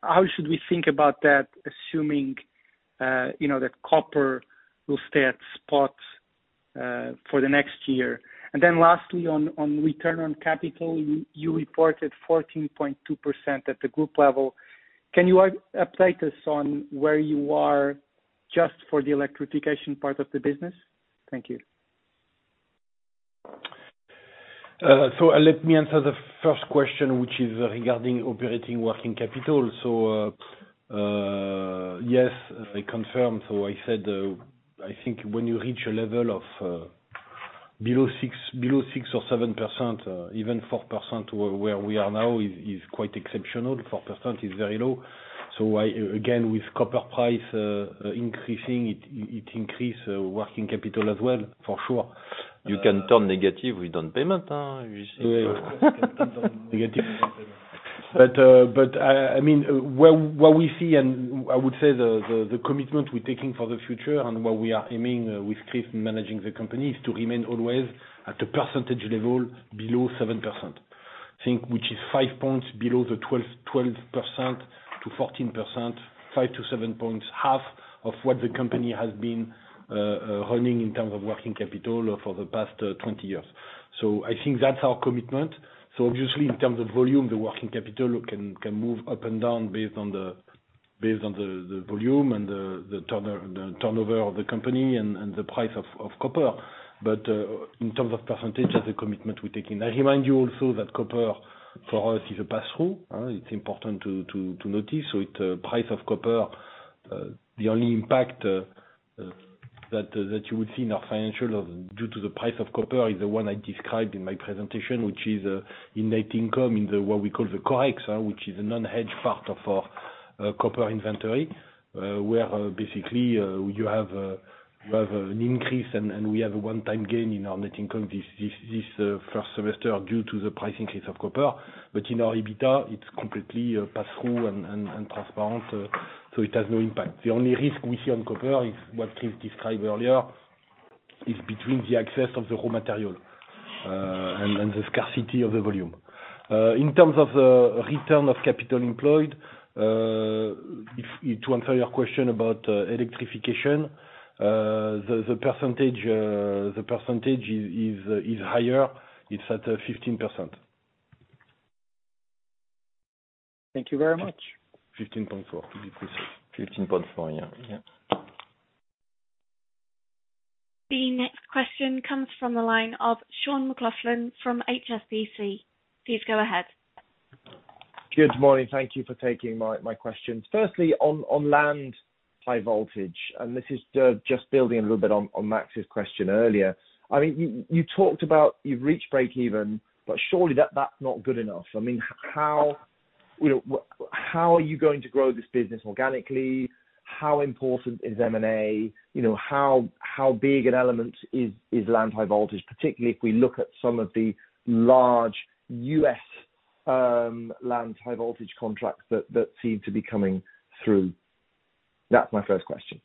How should we think about that, assuming that copper will stay at spot for the next year? Then lastly, on return on capital, you reported 14.2% at the group level. Can you update us on where you are just for the electrification part of the business? Thank you. Let me answer the first question, which is regarding operating working capital. Yes, I confirm. I said, I think when you reach a level of below 6% or 7%, even 4%, where we are now is quite exceptional. 4% is very low. Again, with copper price increasing, it increase working capital as well, for sure. You can turn negative with non-payment, huh? What we see, and I would say the commitment we're taking for the future and what we are aiming with Chris managing the company, is to remain always at a percentage level below 7%. I think, which is 5 points below the 12%-14%, 5-7 points, half of what the company has been running in terms of working capital for the past 20 years. I think that's our commitment. Obviously, in terms of volume, the working capital can move up and down based on the volume and the turnover of the company and the price of copper. In terms of percentage, that's the commitment we're taking. I remind you also that copper for us is a pass-through. It's important to notice. The price of copper, the only impact that you would see in our financial due to the price of copper is the one I described in my presentation, which is net income in what we call the COEX, which is a non-hedge part of our copper inventory. Where basically you have an increase, and we have a one-time gain in our net income this first semester due to the pricing increase of copper. In our EBITDA, it's completely pass-through and transparent. It has no impact. The only risk we see on copper is what Chris described earlier, is between the access of the raw material and the scarcity of the volume. In terms of the return on capital employed, to answer your question about electrification, the percentage is higher. It's at 15%. Thank you very much. 15.4 to be precise. 15.4%, yeah. Yeah. The next question comes from the line of Sean McLoughlin from HSBC. Please go ahead. Good morning. Thank you for taking my questions. Firstly, on land high voltage. This is just building a little bit on Max's question earlier. I mean, you talked about you've reached breakeven, but surely that's not good enough. I mean, how are you going to grow this business organically? How important is M&A? How big an element is land high voltage, particularly if we look at some of the large U.S. land high voltage contracts that seem to be coming through? That's my first question.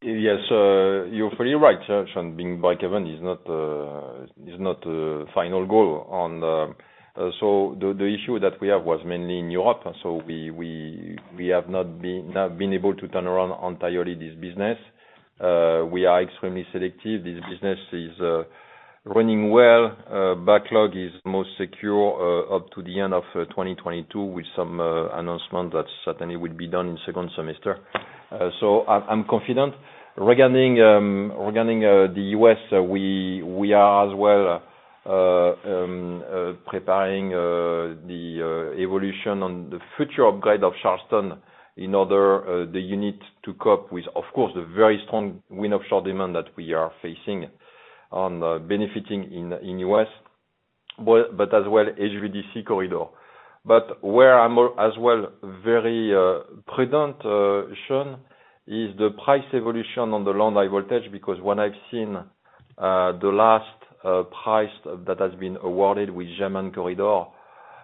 Yes. You're fully right, Sean, being break even is not the final goal. The issue that we have was mainly in Europe, we have not been able to turn around entirely this business. We are extremely selective. This business is running well. Backlog is most secure up to the end of 2022 with some announcement that certainly will be done in second semester. I'm confident. Regarding the U.S., we are as well preparing the evolution on the future upgrade of Charleston in order the unit to cope with, of course, the very strong offshore wind demand that we are facing on benefiting in U.S., but as well HVDC corridor. Where I'm as well very prudent, Sean, is the price evolution on the land high voltage, because when I've seen the last price that has been awarded with German corridor,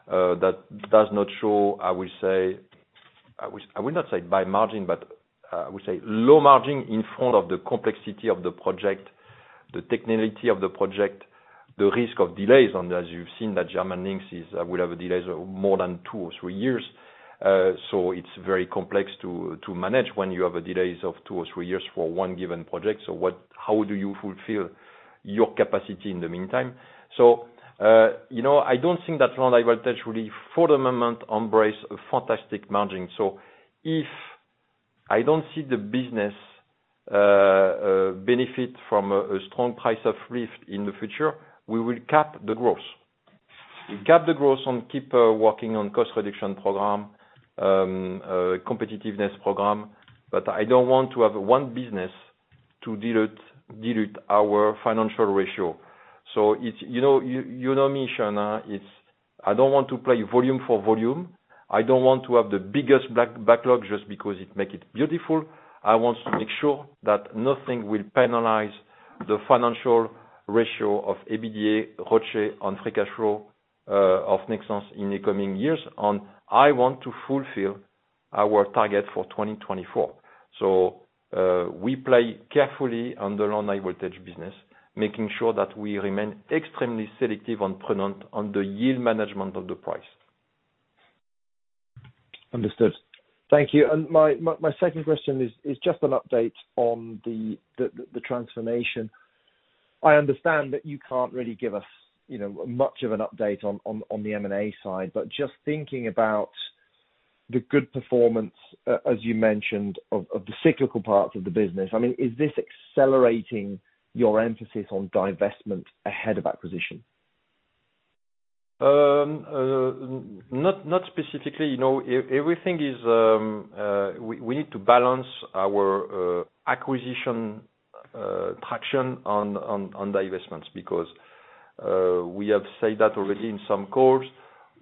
that does not show, I would not say by margin, but I would say low margin in front of the complexity of the project, the technicality of the project, the risk of delays. As you've seen, that German links will have delays of more than two or three years. It's very complex to manage when you have delays of two or three years for one given project. How do you fulfill your capacity in the meantime? I don't think that land high voltage really, for the moment, embrace a fantastic margin. If I don't see the business benefit from a strong price of lift in the future, we will cap the growth. We cap the growth and keep working on cost reduction program, competitiveness program, but I don't want to have one business to dilute our financial ratio. You know me, Sean. I don't want to play volume for volume. I don't want to have the biggest backlog just because it make it beautiful. I want to make sure that nothing will penalize the financial ratio of EBITDA, ROCE, and free cash flow of Nexans in the coming years. I want to fulfill our target for 2024. We play carefully on the land high voltage business, making sure that we remain extremely selective and prudent on the yield management of the price. Understood. Thank you. My second question is just an update on the transformation. I understand that you can't really give us much of an update on the M&A side, but just thinking about the good performance, as you mentioned, of the cyclical parts of the business. Is this accelerating your emphasis on divestment ahead of acquisition? Not specifically. We need to balance our acquisition traction on divestments because we have said that already in some calls.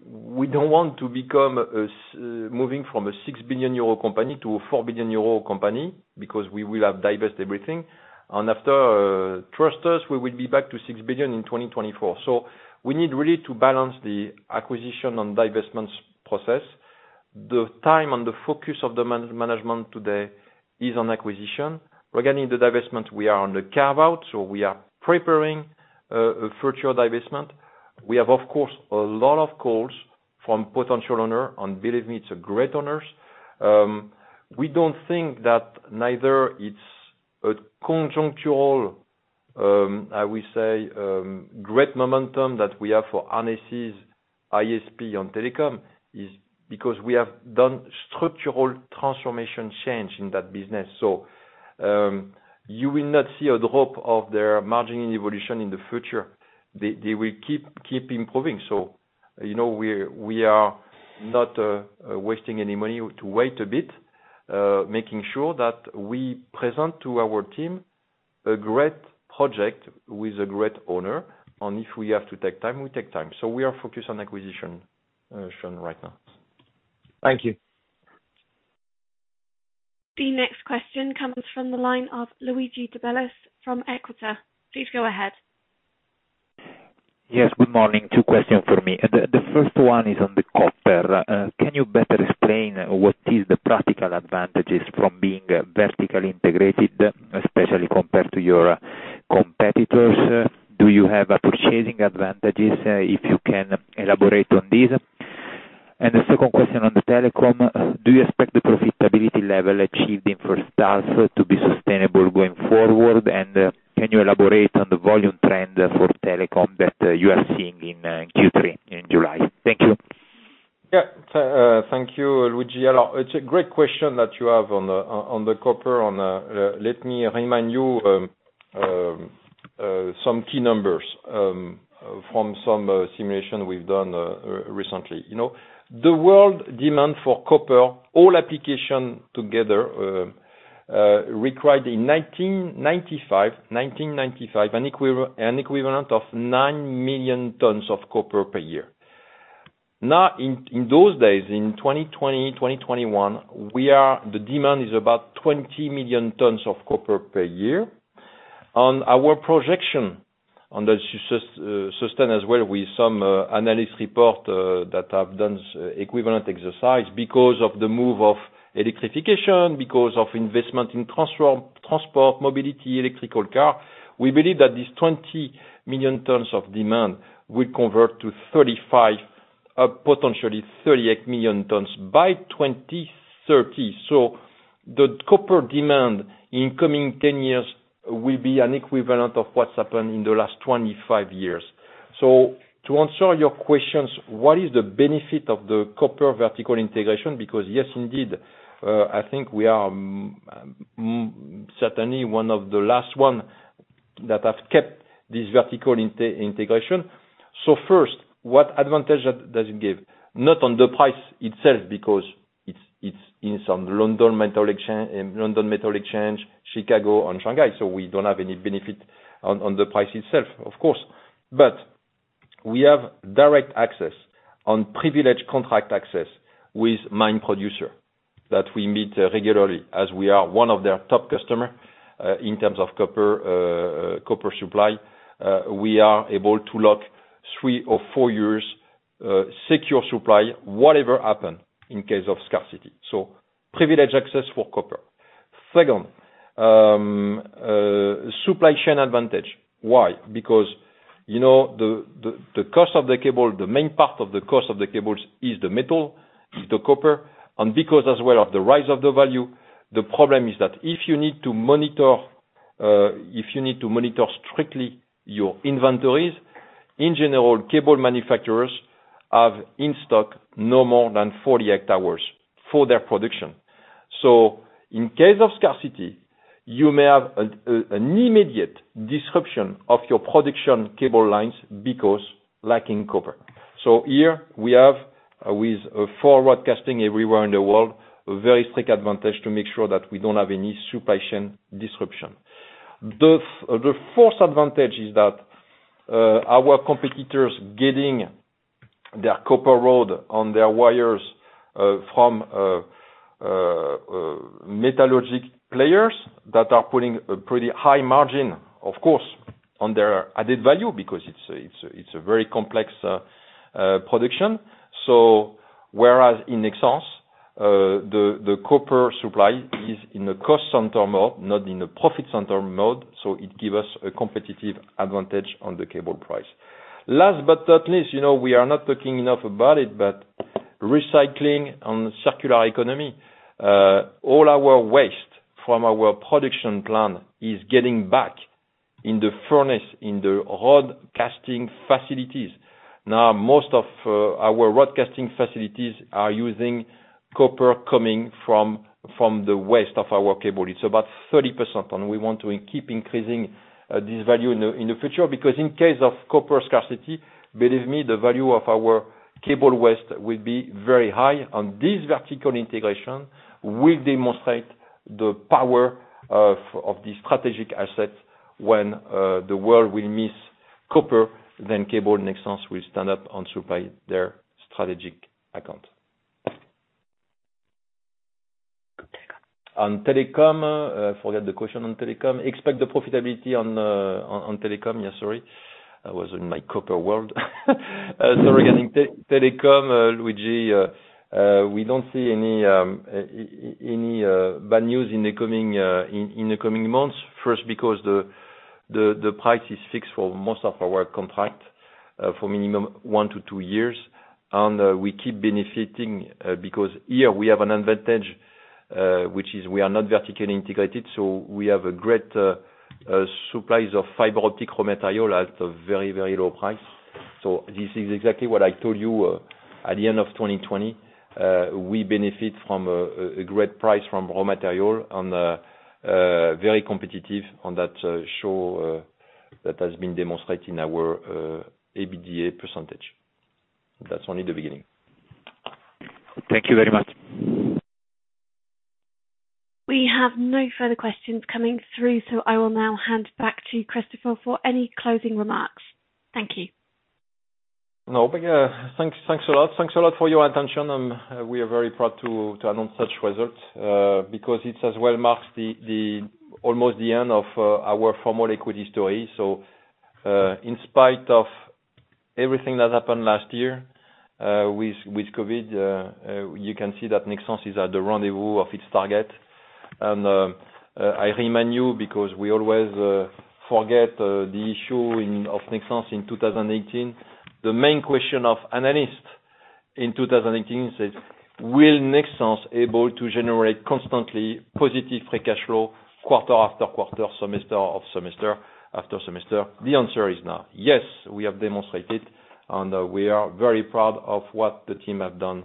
We don't want to become moving from a 6 billion euro company to a 4 billion euro company because we will have divested everything. After, trust us, we will be back to 6 billion in 2024. We need really to balance the acquisition and divestments process. The time and the focus of the management today is on acquisition. Regarding the divestment, we are on the carve-out, so we are preparing a virtual divestment. We have, of course, a lot of calls from potential owner, and believe me, it's a great owners. We don't think that neither it's a conjuncture, I would say, great momentum that we have for [RNCs], I&S on telecom is because we have done structural transformation change in that business. You will not see a drop of their margin evolution in the future. They will keep improving. We are not wasting any money to wait a bit, making sure that we present to our team a great project with a great owner. If we have to take time, we take time. We are focused on acquisition, Sean, right now. Thank you. The next question comes from the line of Luigi de Bellis from Equita. Please go ahead. Yes, good morning. Two question for me. The first one is on the copper. Can you better explain what is the practical advantages from being vertically integrated, especially compared to your competitors? Do you have purchasing advantages? If you can elaborate on this. The second question on the telecom, do you expect the profitability level achieved in first half to be sustainable going forward? Can you elaborate on the volume trend for telecom that you are seeing in Q3 in July? Thank you. Thank you, Luigi. It's a great question that you have on the copper. Let me remind you some key numbers from some simulation we've done recently. The world demand for copper, all applications together required in 1995, an equivalent of 9 million T of copper per year. Now, in those days, in 2020, 2021, the demand is about 20 million T of copper per year. On our projection on that system as well, with some analysis report that have done equivalent exercise because of the move of electrification, because of investment in transport, mobility, electric car. We believe that these 20 million T of demand will convert to 35, potentially 38 million T by 2030. The copper demand in coming 10 years will be an equivalent of what's happened in the last 25 years. To answer your questions, what is the benefit of the copper vertical integration? Yes, indeed, I think we are certainly one of the last one that have kept this vertical integration. First, what advantage does it give? Not on the price itself because it's in some London Metal Exchange, Chicago Metal Exchange, and Shanghai Metal Exchange. We don't have any benefit on the price itself, of course. We have direct access on privileged contract access with mine producer that we meet regularly as we are one of their top customer, in terms of copper supply. We are able to lock three or four years, secure supply, whatever happen in case of scarcity. Privileged access for copper. Second, supply chain advantage. Why? The cost of the cable, the main part of the cost of the cables is the metal, is the copper. Because as well of the rise of the value, the problem is that if you need to monitor strictly your inventories, in general, cable manufacturers have in stock no more than 48 hours for their production. In case of scarcity, you may have an immediate disruption of your production cable lines because lacking copper. Here we have with four rod casting everywhere in the world, a very strict advantage to make sure that we don't have any supply chain disruption. The fourth advantage is that our competitors getting their copper rod on their wires from metallurgical players that are putting a pretty high margin, of course, on their added value because it's a very complex production. Whereas in Nexans, the copper supply is in a cost center mode, not in a profit center mode, so it give us a competitive advantage on the cable price. Last but not least, we are not talking enough about it, but recycling and circular economy. All our waste from our production plant is getting back in the furnace, in the rod casting facilities. Now, most of our rod casting facilities are using copper coming from the waste of our cable. It's about 30%. We want to keep increasing this value in the future because in case of copper scarcity, believe me, the value of our cable waste will be very high. This vertical integration will demonstrate the power of the strategic assets when the world will miss copper, then cable Nexans will stand up and supply their strategic account. Telecom. On telecom, I forgot the question on telecom. Expect the profitability on telecom. Yeah, sorry. I was in my copper world. Sorry. In telecom, Luigi, we don't see any bad news in the coming months. First, because the price is fixed for most of our contracts for minimum one to two years. We keep benefiting because here we have an advantage, which is we are not vertically integrated. We have a great supply of fiber optic raw material at a very low price. This is exactly what I told you at the end of 2020. We benefit from a great price from raw material and very competitive on that show that has been demonstrating our EBITDA percentage. That's only the beginning. Thank you very much. We have no further questions coming through, so I will now hand back to Christopher for any closing remarks. Thank you. No, thanks a lot. Thanks a lot for your attention. We are very proud to announce such results, because it as well marks almost the end of our formal equity story. In spite of everything that happened last year, with COVID, you can see that Nexans is at the rendezvous of its target. I remind you because we always forget the issue of Nexans in 2018. The main question of analyst in 2018 says, "Will Nexans able to generate constantly positive free cash flow quarter after quarter, semester after semester?" The answer is now yes. We have demonstrated, and we are very proud of what the team have done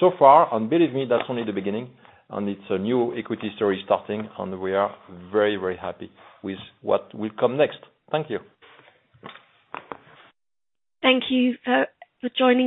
so far. Believe me, that's only the beginning, and it's a new equity story starting, and we are very happy with what will come next. Thank you. Thank you for joining.